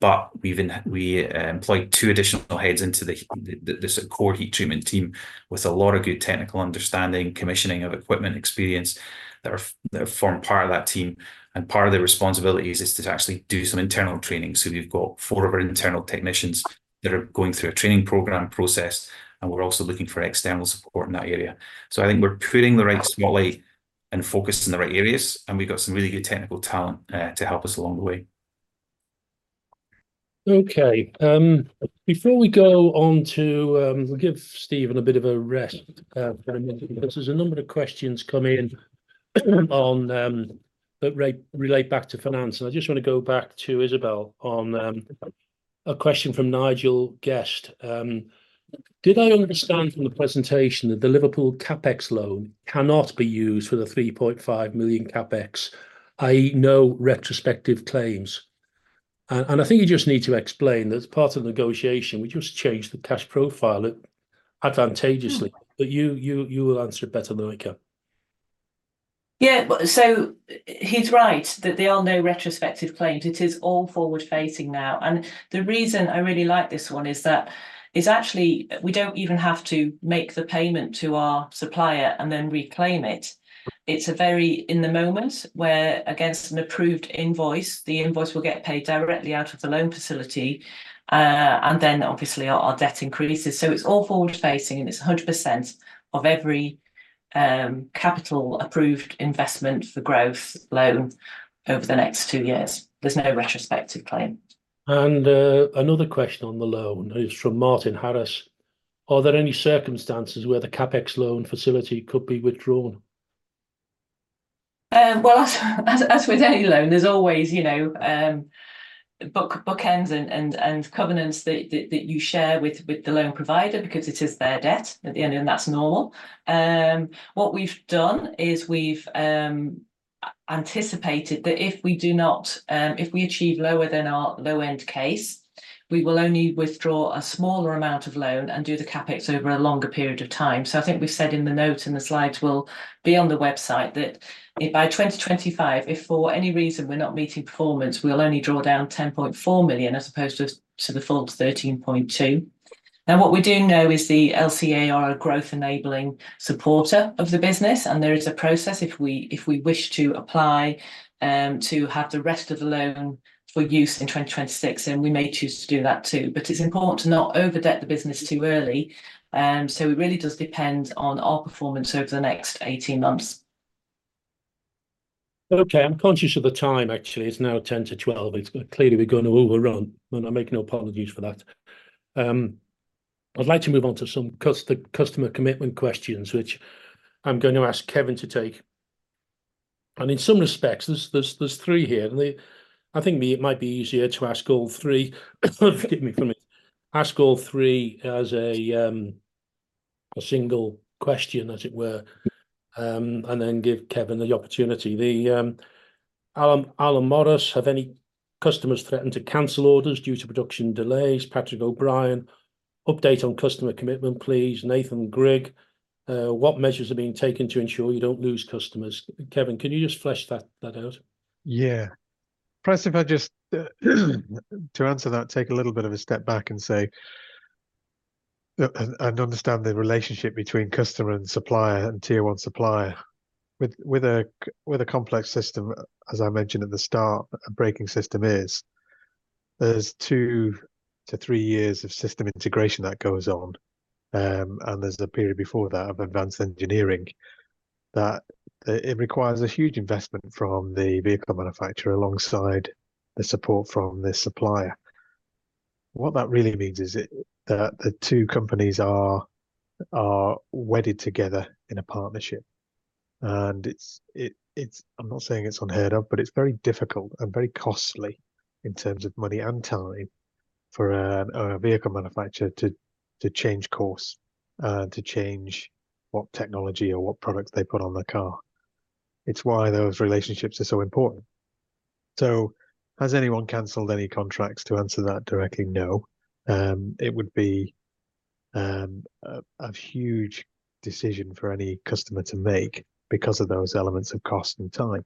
But we've employed two additional heads into the sort of core heat treatment team, with a lot of good technical understanding, commissioning of equipment experience, that form part of that team. And part of their responsibilities is to actually do some internal training. So we've got four of our internal technicians that are going through a training program process, and we're also looking for external support in that area. So I think we're putting the right spotlight and focus in the right areas, and we've got some really good technical talent to help us along the way. Okay. Before we go on to. We'll give Stephen a bit of a rest, for a minute, because there's a number of questions come in on, that relate back to finance. And I just wanna go back to Isabelle on, a question from Nigel Guest. "Did I understand from the presentation that the Liverpool CapEx loan cannot be used for the 3.5 million CapEx, i.e., no retrospective claims?" And I think you just need to explain that as part of the negotiation, we just changed the cash profile advantageously. But you will answer it better than I can. Yeah. But so he's right, that there are no retrospective claims. It is all forward-facing now. And the reason I really like this one is that actually, we don't even have to make the payment to our supplier and then reclaim it. It's a very in the moment, where against an approved invoice, the invoice will get paid directly out of the loan facility, and then obviously our debt increases. So it's all forward-facing, and it's 100% of every capital-approved investment for growth loan over the next two years. There's no retrospective claim. Another question on the loan is from Martin Harris: "Are there any circumstances where the CapEx loan facility could be withdrawn? Well, as with any loan, there's always, you know, bookends and covenants that you share with the loan provider because it is their debt at the end, and that's normal. What we've done is we've anticipated that if we achieve lower than our low-end case, we will only withdraw a smaller amount of loan and do the CapEx over a longer period of time. So I think we've said in the notes, and the slides will be on the website, that if by 2025, if for any reason we're not meeting performance, we'll only draw down 10.4 million, as opposed to the full 13.2 million. Now, what we do know is the LCR are a growth-enabling supporter of the business, and there is a process if we, if we wish to apply, to have the rest of the loan for use in 2026, and we may choose to do that, too. But it's important to not over-debt the business too early. So it really does depend on our performance over the next 18 months. Okay. I'm conscious of the time, actually. It's now 11:50 A.M. It's clearly we're going to overrun, and I make no apologies for that. I'd like to move on to some customer commitment questions, which I'm going to ask Kevin to take. And in some respects, there's three here, and they. I think, to me, it might be easier to ask all three. Forgive me for my. Ask all three as a single question, as it were, and then give Kevin the opportunity. Alan Morris, "Have any customers threatened to cancel orders due to production delays?" Patrick O'Brien, "Update on customer commitment, please." Nathan Grigg, "What measures are being taken to ensure you don't lose customers?" Kevin, can you just flesh that out? Yeah. Perhaps if I just, to answer that, take a little bit of a step back and say, and understand the relationship between customer and supplier and Tier 1 supplier. With a complex system, as I mentioned at the start, a braking system is, there's two to three years of system integration that goes on, and there's a period before that of advanced engineering, that it requires a huge investment from the vehicle manufacturer alongside the support from the supplier. What that really means is that the two companies are wedded together in a partnership, and it's. I'm not saying it's unheard of, but it's very difficult and very costly in terms of money and time for a vehicle manufacturer to change course, to change what technology or what products they put on the car. It's why those relationships are so important. So has anyone canceled any contracts? To answer that directly, no. It would be a huge decision for any customer to make because of those elements of cost and time.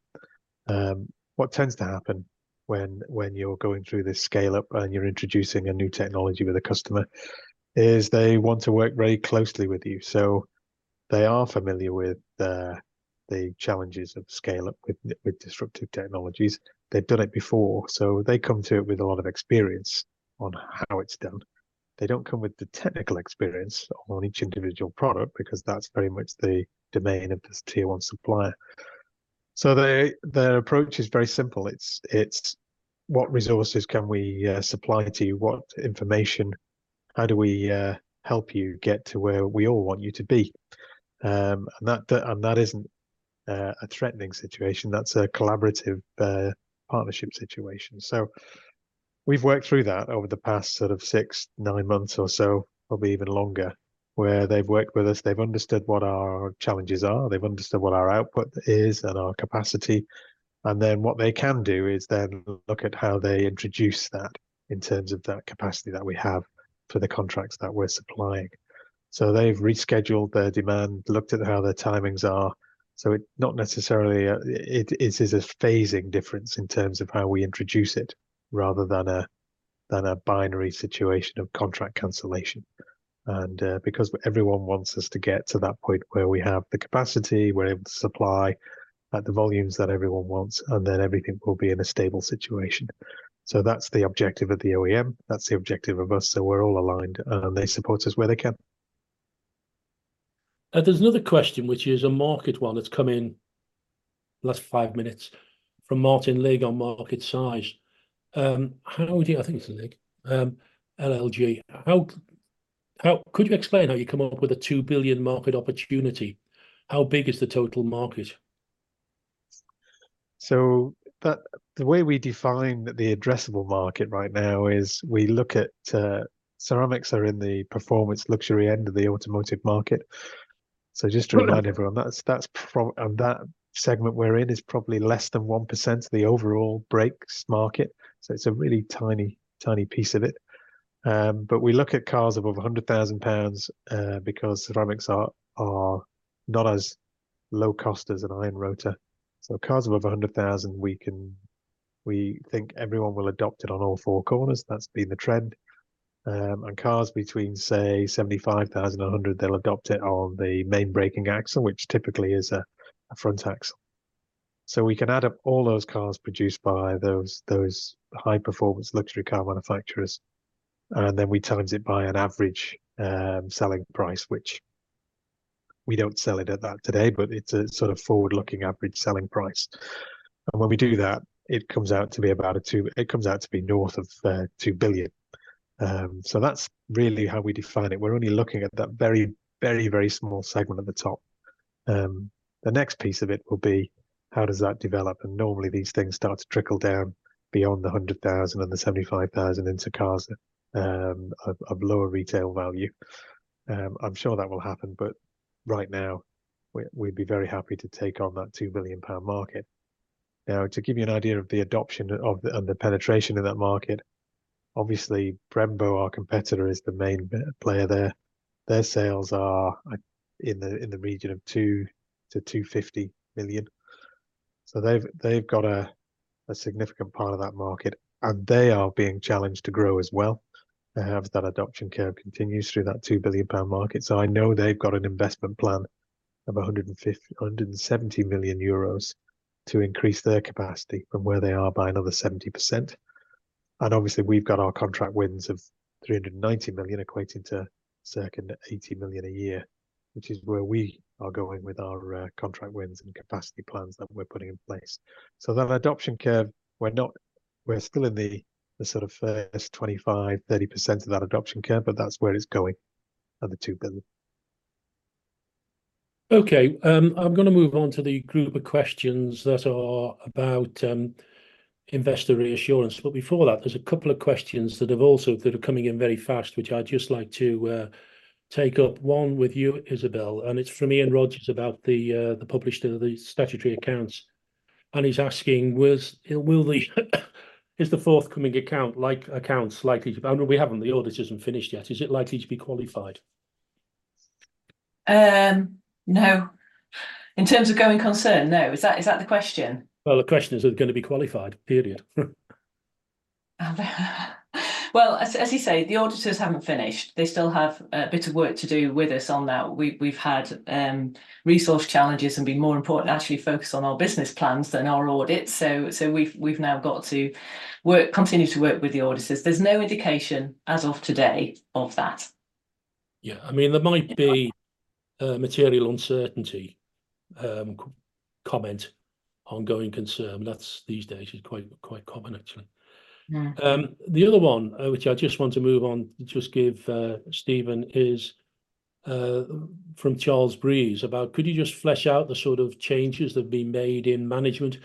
What tends to happen when you're going through this scale-up and you're introducing a new technology with a customer is they want to work very closely with you. So they are familiar with the challenges of scale-up with disruptive technologies. They've done it before, so they come to it with a lot of experience on how it's done. They don't come with the technical experience on each individual product, because that's very much the domain of the Tier 1 supplier. So their approach is very simple. It's what resources can we supply to you? How do we help you get to where we all want you to be? And that, and that isn't a threatening situation, that's a collaborative partnership situation. So we've worked through that over the past sort of 6-9 months or so, probably even longer, where they've worked with us, they've understood what our challenges are, they've understood what our output is and our capacity. And then what they can do is then look at how they introduce that in terms of that capacity that we have for the contracts that we're supplying. So they've rescheduled their demand, looked at how their timings are, so it's not necessarily. It, it is a phasing difference in terms of how we introduce it, rather than a, than a binary situation of contract cancellation. Because everyone wants us to get to that point where we have the capacity, we're able to supply at the volumes that everyone wants, and then everything will be in a stable situation. So that's the objective of the OEM, that's the objective of us, so we're all aligned, and they support us where they can. There's another question, which is a market one, that's come in the last 5 minutes from Martin Leigh on market size. How would you. I think it's Leigh, LLG. How could you explain how you come up with a $2 billion market opportunity? How big is the total market? So the way we define the addressable market right now is we look at ceramics are in the performance luxury end of the automotive market. Right. So just to remind everyone, that's the segment we're in is probably less than 1% of the overall brakes market, so it's a really tiny, tiny piece of it. But we look at cars above 100,000 pounds because ceramics are not as low cost as an iron rotor. So cars above 100,000, we think everyone will adopt it on all four corners. That's been the trend. And cars between, say, 75,000 and 100,000, they'll adopt it on the main braking axle, which typically is a front axle. So we can add up all those cars produced by those high-performance luxury car manufacturers, and then we times it by an average selling price, which we don't sell it at that today, but it's a sort of forward-looking average selling price. When we do that, it comes out to be north of 2 billion. So that's really how we define it. We're only looking at that very, very, very small segment at the top. The next piece of it will be: how does that develop? And normally, these things start to trickle down beyond the 100,000 and the 75,000 into cars of lower retail value. I'm sure that will happen, but right now, we'd be very happy to take on that 2 billion pound market. Now, to give you an idea of the adoption and the penetration in that market, obviously, Brembo, our competitor, is the main player there. Their sales are in the region of 2-250 million. So they've got a significant part of that market, and they are being challenged to grow as well, as that adoption curve continues through that 2 billion pound market. So I know they've got an investment plan of 150-170 million euros to increase their capacity from where they are by another 70%. And obviously, we've got our contract wins of 390 million, equating to circa 80 million a year, which is where we are going with our contract wins and capacity plans that we're putting in place. So that adoption curve, we're still in the sort of first 25%-30% of that adoption curve, but that's where it's going, at the 2 billion. Okay, I'm gonna move on to the group of questions that are about investor reassurance. But before that, there's a couple of questions that are coming in very fast, which I'd just like to take up. One with you, Isabelle, and it's from Ian Rogers about the publication of the statutory accounts. And he's asking, was, will the. Is the forthcoming accounts likely to. Well, we haven't, the audit isn't finished yet. Is it likely to be qualified? No. In terms of going concern, no. Is that, is that the question? Well, the question is, is it gonna be qualified, period? Well, as you say, the auditors haven't finished. They still have a bit of work to do with us on that. We've had resource challenges and been more important to actually focus on our business plans than our audits. So we've now got to continue to work with the auditors. There's no indication as of today of that. Yeah, I mean, there might be a material uncertainty, comment on going concern. That's, these days, is quite common, actually. The other one, which I just want to move on to just give Stephen, is from Charles Breese, about could you just flesh out the sort of changes that have been made in management?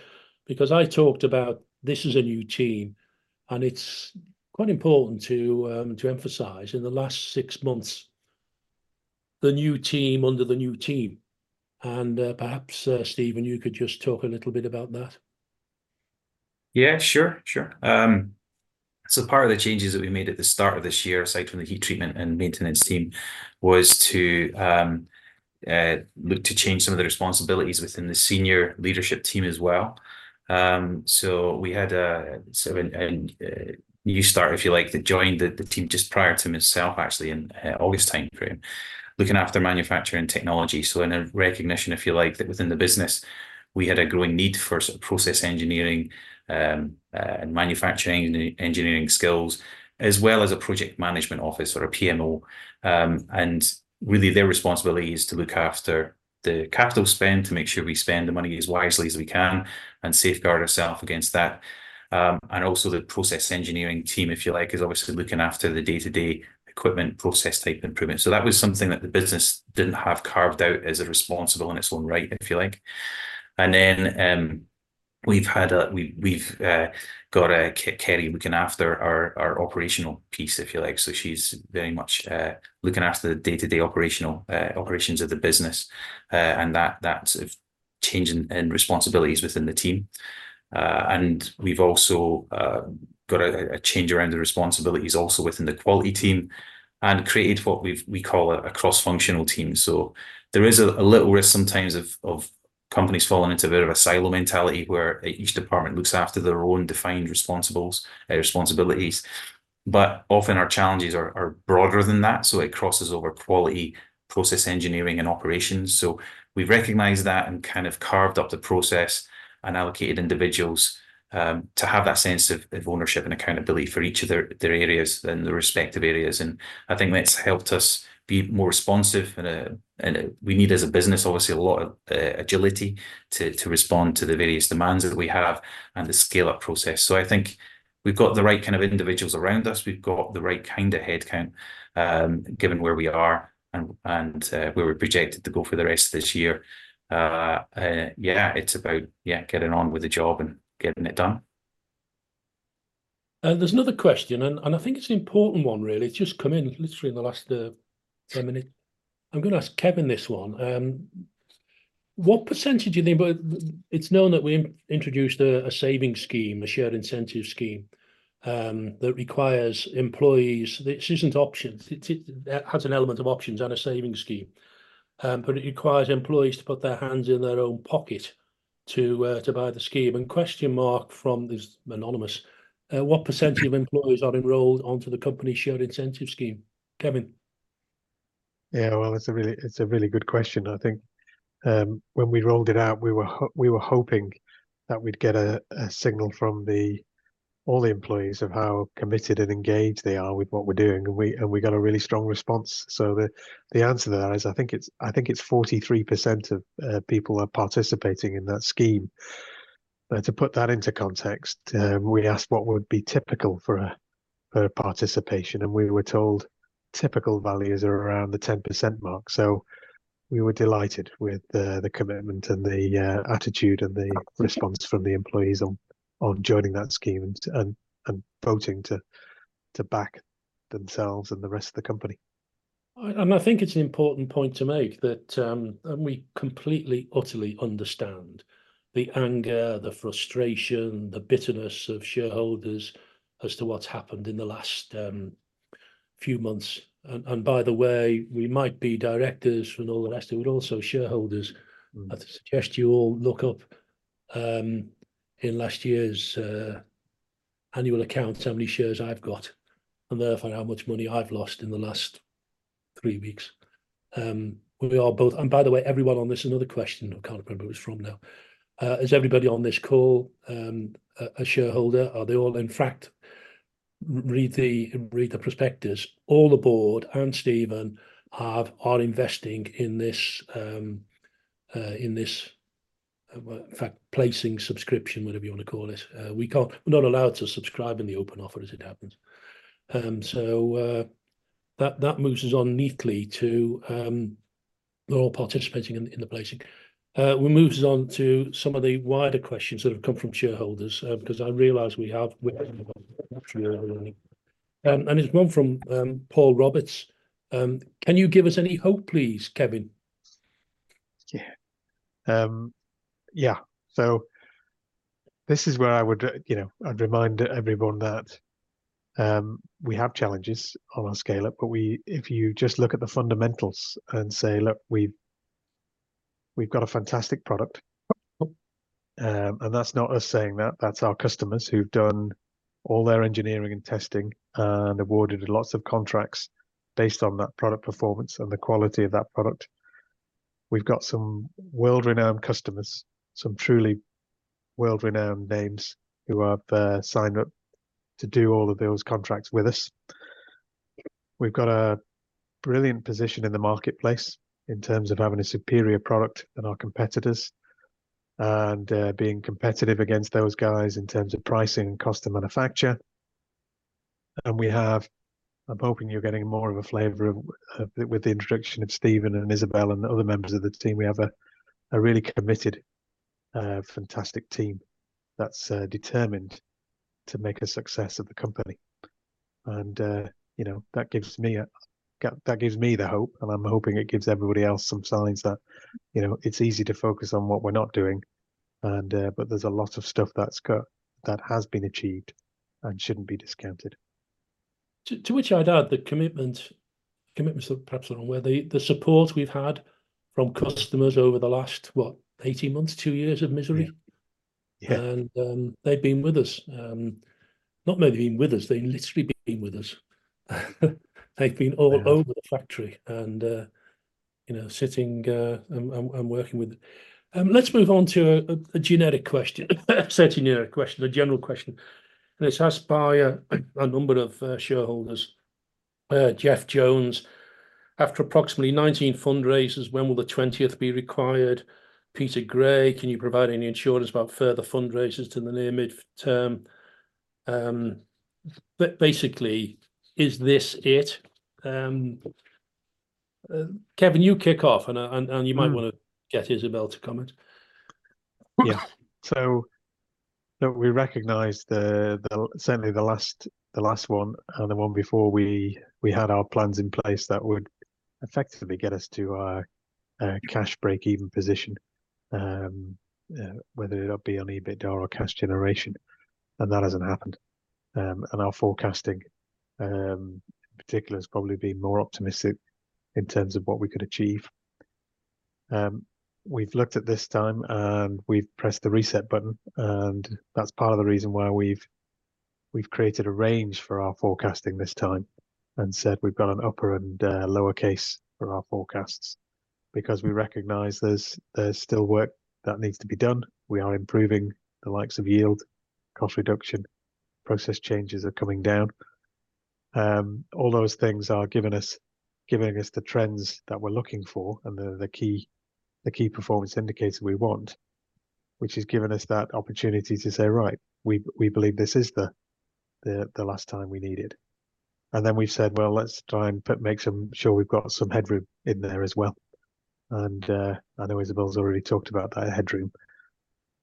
Because I talked about this is a new team, and it's quite important to emphasize in the last six months the new team under the new team, and perhaps Stephen, you could just talk a little bit about that. Yeah, sure, sure. So part of the changes that we made at the start of this year, aside from the heat treatment and maintenance team, was to look to change some of the responsibilities within the senior leadership team as well. So we had a new start, if you like, that joined the team just prior to myself, actually, in August timeframe, looking after manufacturing technology. So in a recognition, if you like, that within the business we had a growing need for sort of process engineering and manufacturing engineering skills, as well as a project management office or a PMO. And really their responsibility is to look after the capital spend, to make sure we spend the money as wisely as we can and safeguard ourself against that. And also the process engineering team, if you like, is obviously looking after the day-to-day equipment process type improvement. So that was something that the business didn't have carved out as a responsibility in its own right, if you like. And then, we've got Kerry looking after our operational piece, if you like. So she's very much looking after the day-to-day operational operations of the business. And that sort of change in responsibilities within the team. And we've also got a change around the responsibilities also within the quality team, and created what we call a cross-functional team. So there is a little risk sometimes of companies falling into a bit of a silo mentality, where each department looks after their own defined responsibilities. But often our challenges are broader than that, so it crosses over quality, process engineering, and operations. So we've recognized that and kind of carved up the process and allocated individuals to have that sense of ownership and accountability for each of their areas and their respective areas. And I think that's helped us be more responsive, and we need as a business, obviously, a lot of agility to respond to the various demands that we have and the scale-up process. So I think we've got the right kind of individuals around us. We've got the right kind of headcount, given where we are and where we're projected to go for the rest of this year. Yeah, it's about yeah, getting on with the job and getting it done. There's another question, and I think it's an important one really. It's just come in literally in the last 10 minutes. I'm gonna ask Kevin this one. What percentage do you think. But it's known that we introduced a savings scheme, a shared incentive scheme, that requires employees, this isn't options. It has an element of options and a savings scheme. But it requires employees to put their hands in their own pocket to buy the scheme. And question mark from, this is anonymous, "What percentage of employees are enrolled onto the company shared incentive scheme?" Kevin? Yeah, well, it's a really, it's a really good question. I think, when we rolled it out, we were hoping that we'd get a signal from all the employees of how committed and engaged they are with what we're doing, and we got a really strong response. So the answer to that is, I think it's 43% of people are participating in that scheme. But to put that into context, we asked what would be typical for a participation, and we were told typical values are around the 10% mark. So we were delighted with the commitment and the attitude and the. Okay. Response from the employees on joining that scheme and voting to back themselves and the rest of the company. And I think it's an important point to make that, and we completely, utterly understand the anger, the frustration, the bitterness of shareholders as to what's happened in the last few months. And by the way, we might be directors and all the rest, we're also shareholders. I'd suggest you all look up in last year's annual accounts how many shares I've got, and therefore how much money I've lost in the last three weeks. We are both. And by the way, everyone on this, another question, I can't remember who it's from now, "Is everybody on this call a shareholder? Are they all?" In fact, read the prospectus. All the board and Stephen have are investing in this, in this, well, in fact, placing subscription, whatever you wanna call it. We can't, we're not allowed to subscribe in the Open Offer, as it happens. So, that moves us on neatly to, we're all participating in the placing. Well, moves us on to some of the wider questions that have come from shareholders, 'cause I realize we have, and there's one from Paul Roberts: "Can you give us any hope, please, Kevin? Yeah. Yeah, so this is where I would, you know, I'd remind everyone that we have challenges on our scale-up. But we, if you just look at the fundamentals and say, "Look, we've, we've got a fantastic product," and that's not us saying that, that's our customers who've done all their engineering and testing, and awarded lots of contracts based on that product performance and the quality of that product. We've got some world-renowned customers, some truly world-renowned names, who have signed up to do all of those contracts with us. We've got a brilliant position in the marketplace in terms of having a superior product than our competitors, and being competitive against those guys in terms of pricing and cost of manufacture. And we have. I'm hoping you're getting more of a flavor of, with the introduction of Stephen and Isabelle and the other members of the team, we have a really committed a fantastic team that's determined to make a success of the company. And, you know, that gives me the hope, and I'm hoping it gives everybody else some signs that, you know, it's easy to focus on what we're not doing, and, but there's a lot of stuff that has been achieved and shouldn't be discounted. To which I'd add that commitment's perhaps the wrong word. The support we've had from customers over the last, what, 18 months, 2 years of misery? They've been with us. Not maybe been with us, they've literally been with us. They've been all over the factory, and, you know, sitting, and working with. Let's move on to a generic question. Slightly generic question, a general question, and it's asked by a number of shareholders. Jeff Jones, "After approximately 19 fundraisers, when will the 20th be required?" Peter Gray, "Can you provide any assurance about further fundraisers to the near mid-term?" Basically, is this it? Kevin, you kick off, and you might wanna get Isabelle to comment. Yeah. So, look, we recognize the, certainly the last one and the one before, we had our plans in place that would effectively get us to our cash break-even position. Whether it be on EBITDA or cash generation, and that hasn't happened. And our forecasting, in particular, has probably been more optimistic in terms of what we could achieve. We've looked at this time, and we've pressed the reset button, and that's part of the reason why we've created a range for our forecasting this time, and said we've got an upper and a lower case for our forecasts. Because we recognize there's still work that needs to be done. We are improving the likes of yield, cost reduction, process changes are coming down. All those things are giving us, giving us the trends that we're looking for and the, the key, the key performance indicators we want, which has given us that opportunity to say, "Right. We, we believe this is the, the, the last time we need it." And then we've said, "Well, let's try and make sure we've got some headroom in there as well." And, I know Isabelle's already talked about that headroom.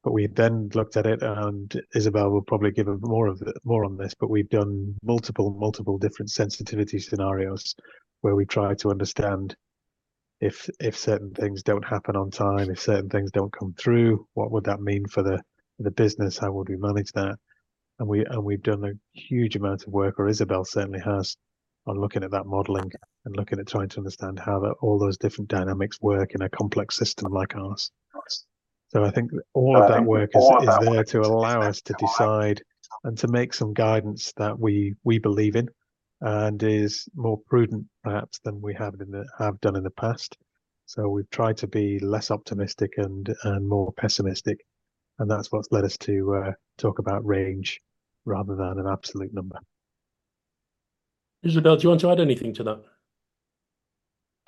But we then looked at it, and Isabelle will probably give more on this, but we've done multiple, multiple different sensitivity scenarios, where we try to understand if, if certain things don't happen on time, if certain things don't come through, what would that mean for the, the business? How would we manage that? And we've done a huge amount of work, or Isabelle certainly has, on looking at that modeling and looking at trying to understand how all those different dynamics work in a complex system like ours. So I think all of that work is there to allow us to decide, and to make some guidance that we believe in, and is more prudent perhaps than we have done in the past. So we've tried to be less optimistic and more pessimistic, and that's what's led us to talk about range rather than an absolute number. Isabelle, do you want to add anything to that?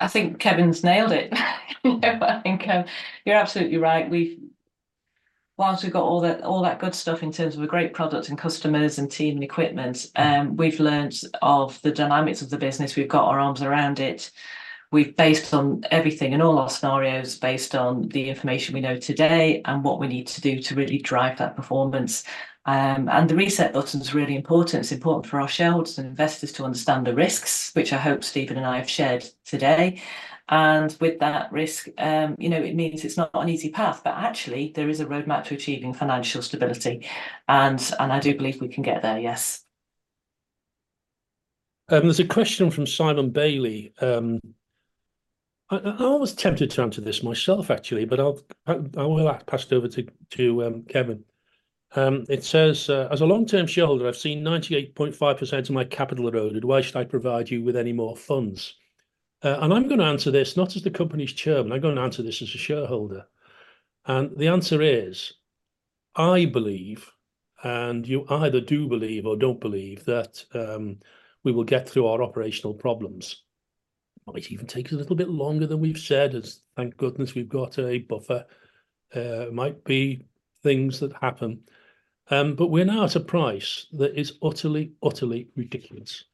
I think Kevin's nailed it. I think, you're absolutely right. We've, while we've got all that, all that good stuff in terms of a great product, and customers, and team, and equipment, we've learned of the dynamics of the business. We've got our arms around it. We've based on everything and all our scenarios, based on the information we know today and what we need to do to really drive that performance. And the reset button's really important. It's important for our shareholders and investors to understand the risks, which I hope Stephen and I have shared today. And with that risk, you know, it means it's not an easy path, but actually, there is a roadmap to achieving financial stability, and I do believe we can get there, yes. There's a question from Simon Bailey. I was tempted to answer this myself, actually, but I'll pass it over to Kevin. It says, "As a long-term shareholder, I've seen 98.5% of my capital eroded. Why should I provide you with any more funds?" And I'm gonna answer this not as the company's chairman, I'm gonna answer this as a shareholder. And the answer is, I believe, and you either do believe or don't believe, that we will get through our operational problems. Might even take us a little bit longer than we've said, as thank goodness we've got a buffer. Might be things that happen. But we're now at a price that is utterly, utterly ridiculous.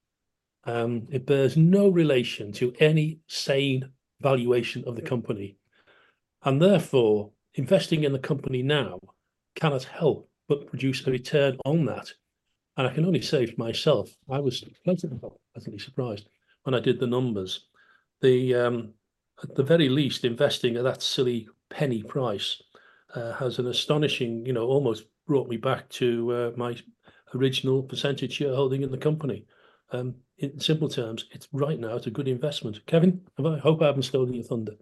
It bears no relation to any sane valuation of the company, and therefore, investing in the company now cannot help but produce a return on that. I can only say for myself, I was pleasantly, pleasantly surprised when I did the numbers. At the very least, investing at that silly penny price has an astonishing, you know, almost brought me back to my original percentage shareholding in the company. In simple terms, it's, right now, it's a good investment. Kevin, I hope I haven't stolen your thunder.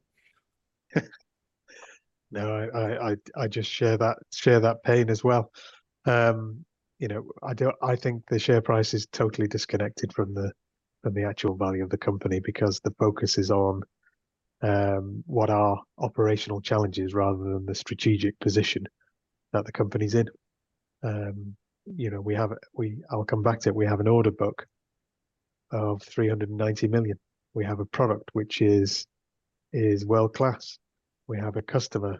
No, I just share that pain as well. You know, I don't—I think the share price is totally disconnected from the actual value of the company, because the focus is on what are operational challenges rather than the strategic position that the company's in. You know, we, I'll come back to it. We have an order book of 390 million. We have a product which is world-class. We have a customer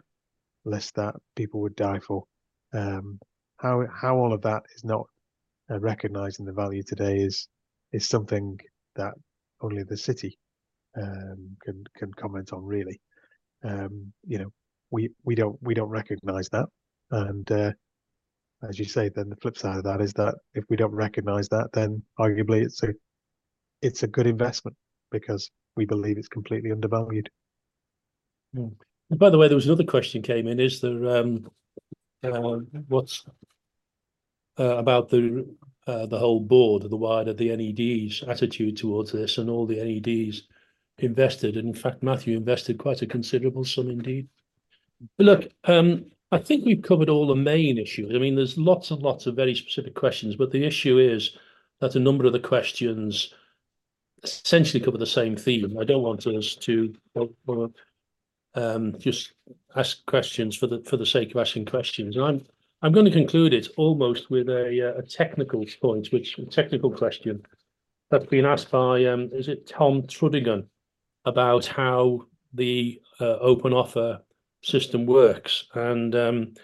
list that people would die for. How all of that is not, and recognizing the value today is something that only the city can comment on, really. You know, we don't recognize that. As you say, then the flip side of that is that if we don't recognize that, then arguably it's a, it's a good investment because we believe it's completely undervalued. And by the way, there was another question came in. Is there, what's, about the, the whole board, the wider, the NED's attitude towards this and all the NEDs invested, and in fact, Matthew invested quite a considerable sum indeed. Look, I think we've covered all the main issues. I mean, there's lots and lots of very specific questions, but the issue is that a number of the questions essentially cover the same theme. I don't want us to, well, just ask questions for the, for the sake of asking questions. And I'm, I'm gonna conclude it almost with a, a technical point, which a technical question that's been asked by, is it Tom Trudgill, about how the, open offer system works. And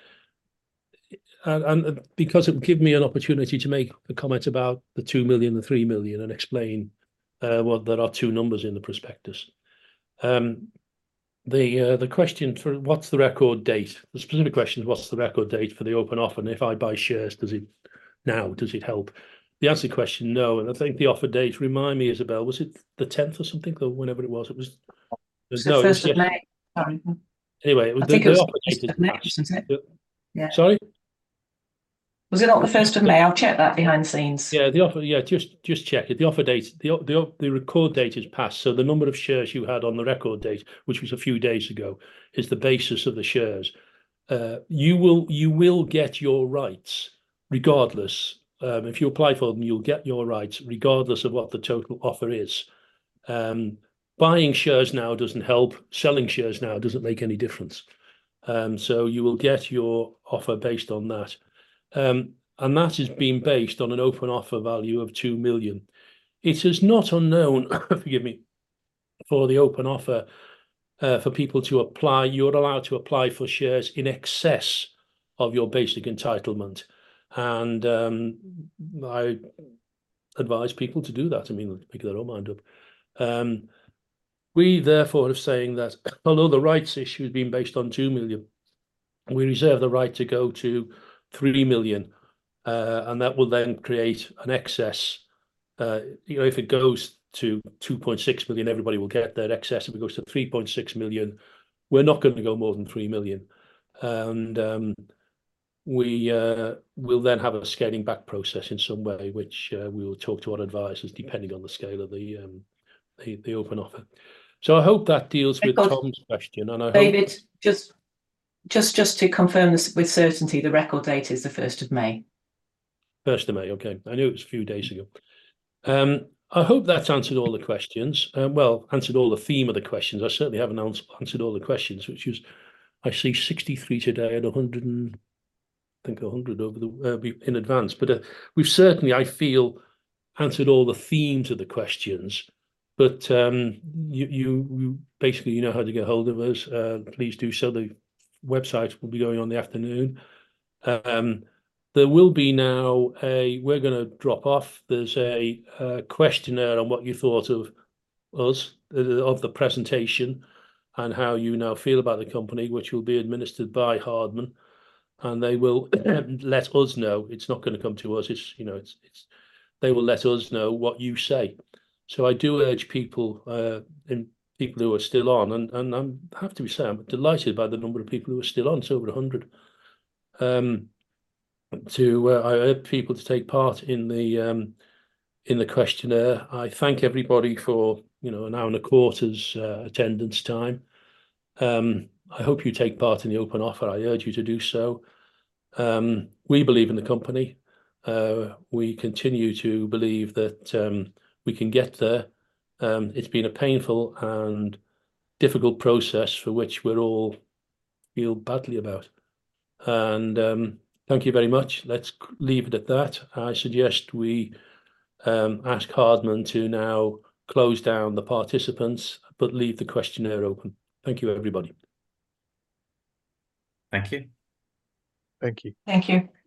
because it will give me an opportunity to make a comment about the 2 million and 3 million and explain why there are two numbers in the prospectus. The question for what's the record date? The specific question is, what's the record date for the open offer? And if I buy shares, does it. Now, does it help? The answer to the question, no, and I think the offer date, remind me, Isabelle, was it the 10th or something, or whenever it was? It was. It's the 1st of May. Sorry. Anyway, it was. I think it was the 1st of May, isn't it? Yeah. Sorry? Was it not the 1st of May? I'll check that behind the scenes. Yeah, the offer. Yeah, just check it. The offer date, the record date is passed, so the number of shares you had on the record date, which was a few days ago, is the basis of the shares. You will get your rights regardless. If you apply for them, you'll get your rights regardless of what the total offer is. Buying shares now doesn't help. Selling shares now doesn't make any difference. So you will get your offer based on that. And that is being based on an Open Offer value of 2 million. It is not unknown, forgive me, for the Open Offer, for people to apply. You're allowed to apply for shares in excess of your basic entitlement, and I advise people to do that. I mean, make their own mind up. We therefore are saying that although the rights issue has been based on 2 million, we reserve the right to go to 3 million. And that will then create an excess. You know, if it goes to 2.6 million, everybody will get that excess. If it goes to 3.6 million, we're not gonna go more than 3 million. We, we'll then have a scaling back process in some way, which we will talk to our advisors, depending on the scale of the open offer. So I hope that deals with Tom's question, and I hope. David, just to confirm this with certainty, the record date is the 1st of May. 1st of May, okay. I knew it was a few days ago. I hope that's answered all the questions. Well, answered all the theme of the questions. I certainly haven't answered all the questions, which is, I see 63 today and 100, I think, 100 over the in advance. But we've certainly, I feel, answered all the themes of the questions. But you, you basically, you know how to get hold of us. Please do so. The website will be going on in the afternoon. There will be now a, we're gonna drop off. There's a questionnaire on what you thought of us, of the presentation, and how you now feel about the company, which will be administered by Hardman, and they will let us know. It's not gonna come to us. It's, you know, it's, it's. They will let us know what you say. So I do urge people, and people who are still on, and I have to be saying I'm delighted by the number of people who are still on, so over 100. I urge people to take part in the questionnaire. I thank everybody for, you know, an hour and a quarter's attendance time. I hope you take part in the open offer. I urge you to do so. We believe in the company. We continue to believe that we can get there. It's been a painful and difficult process for which we all feel badly about. And thank you very much. Let's leave it at that. I suggest we ask Hardman to now close down the participants, but leave the questionnaire open. Thank you, everybody. Thank you. Thank you. Thank you.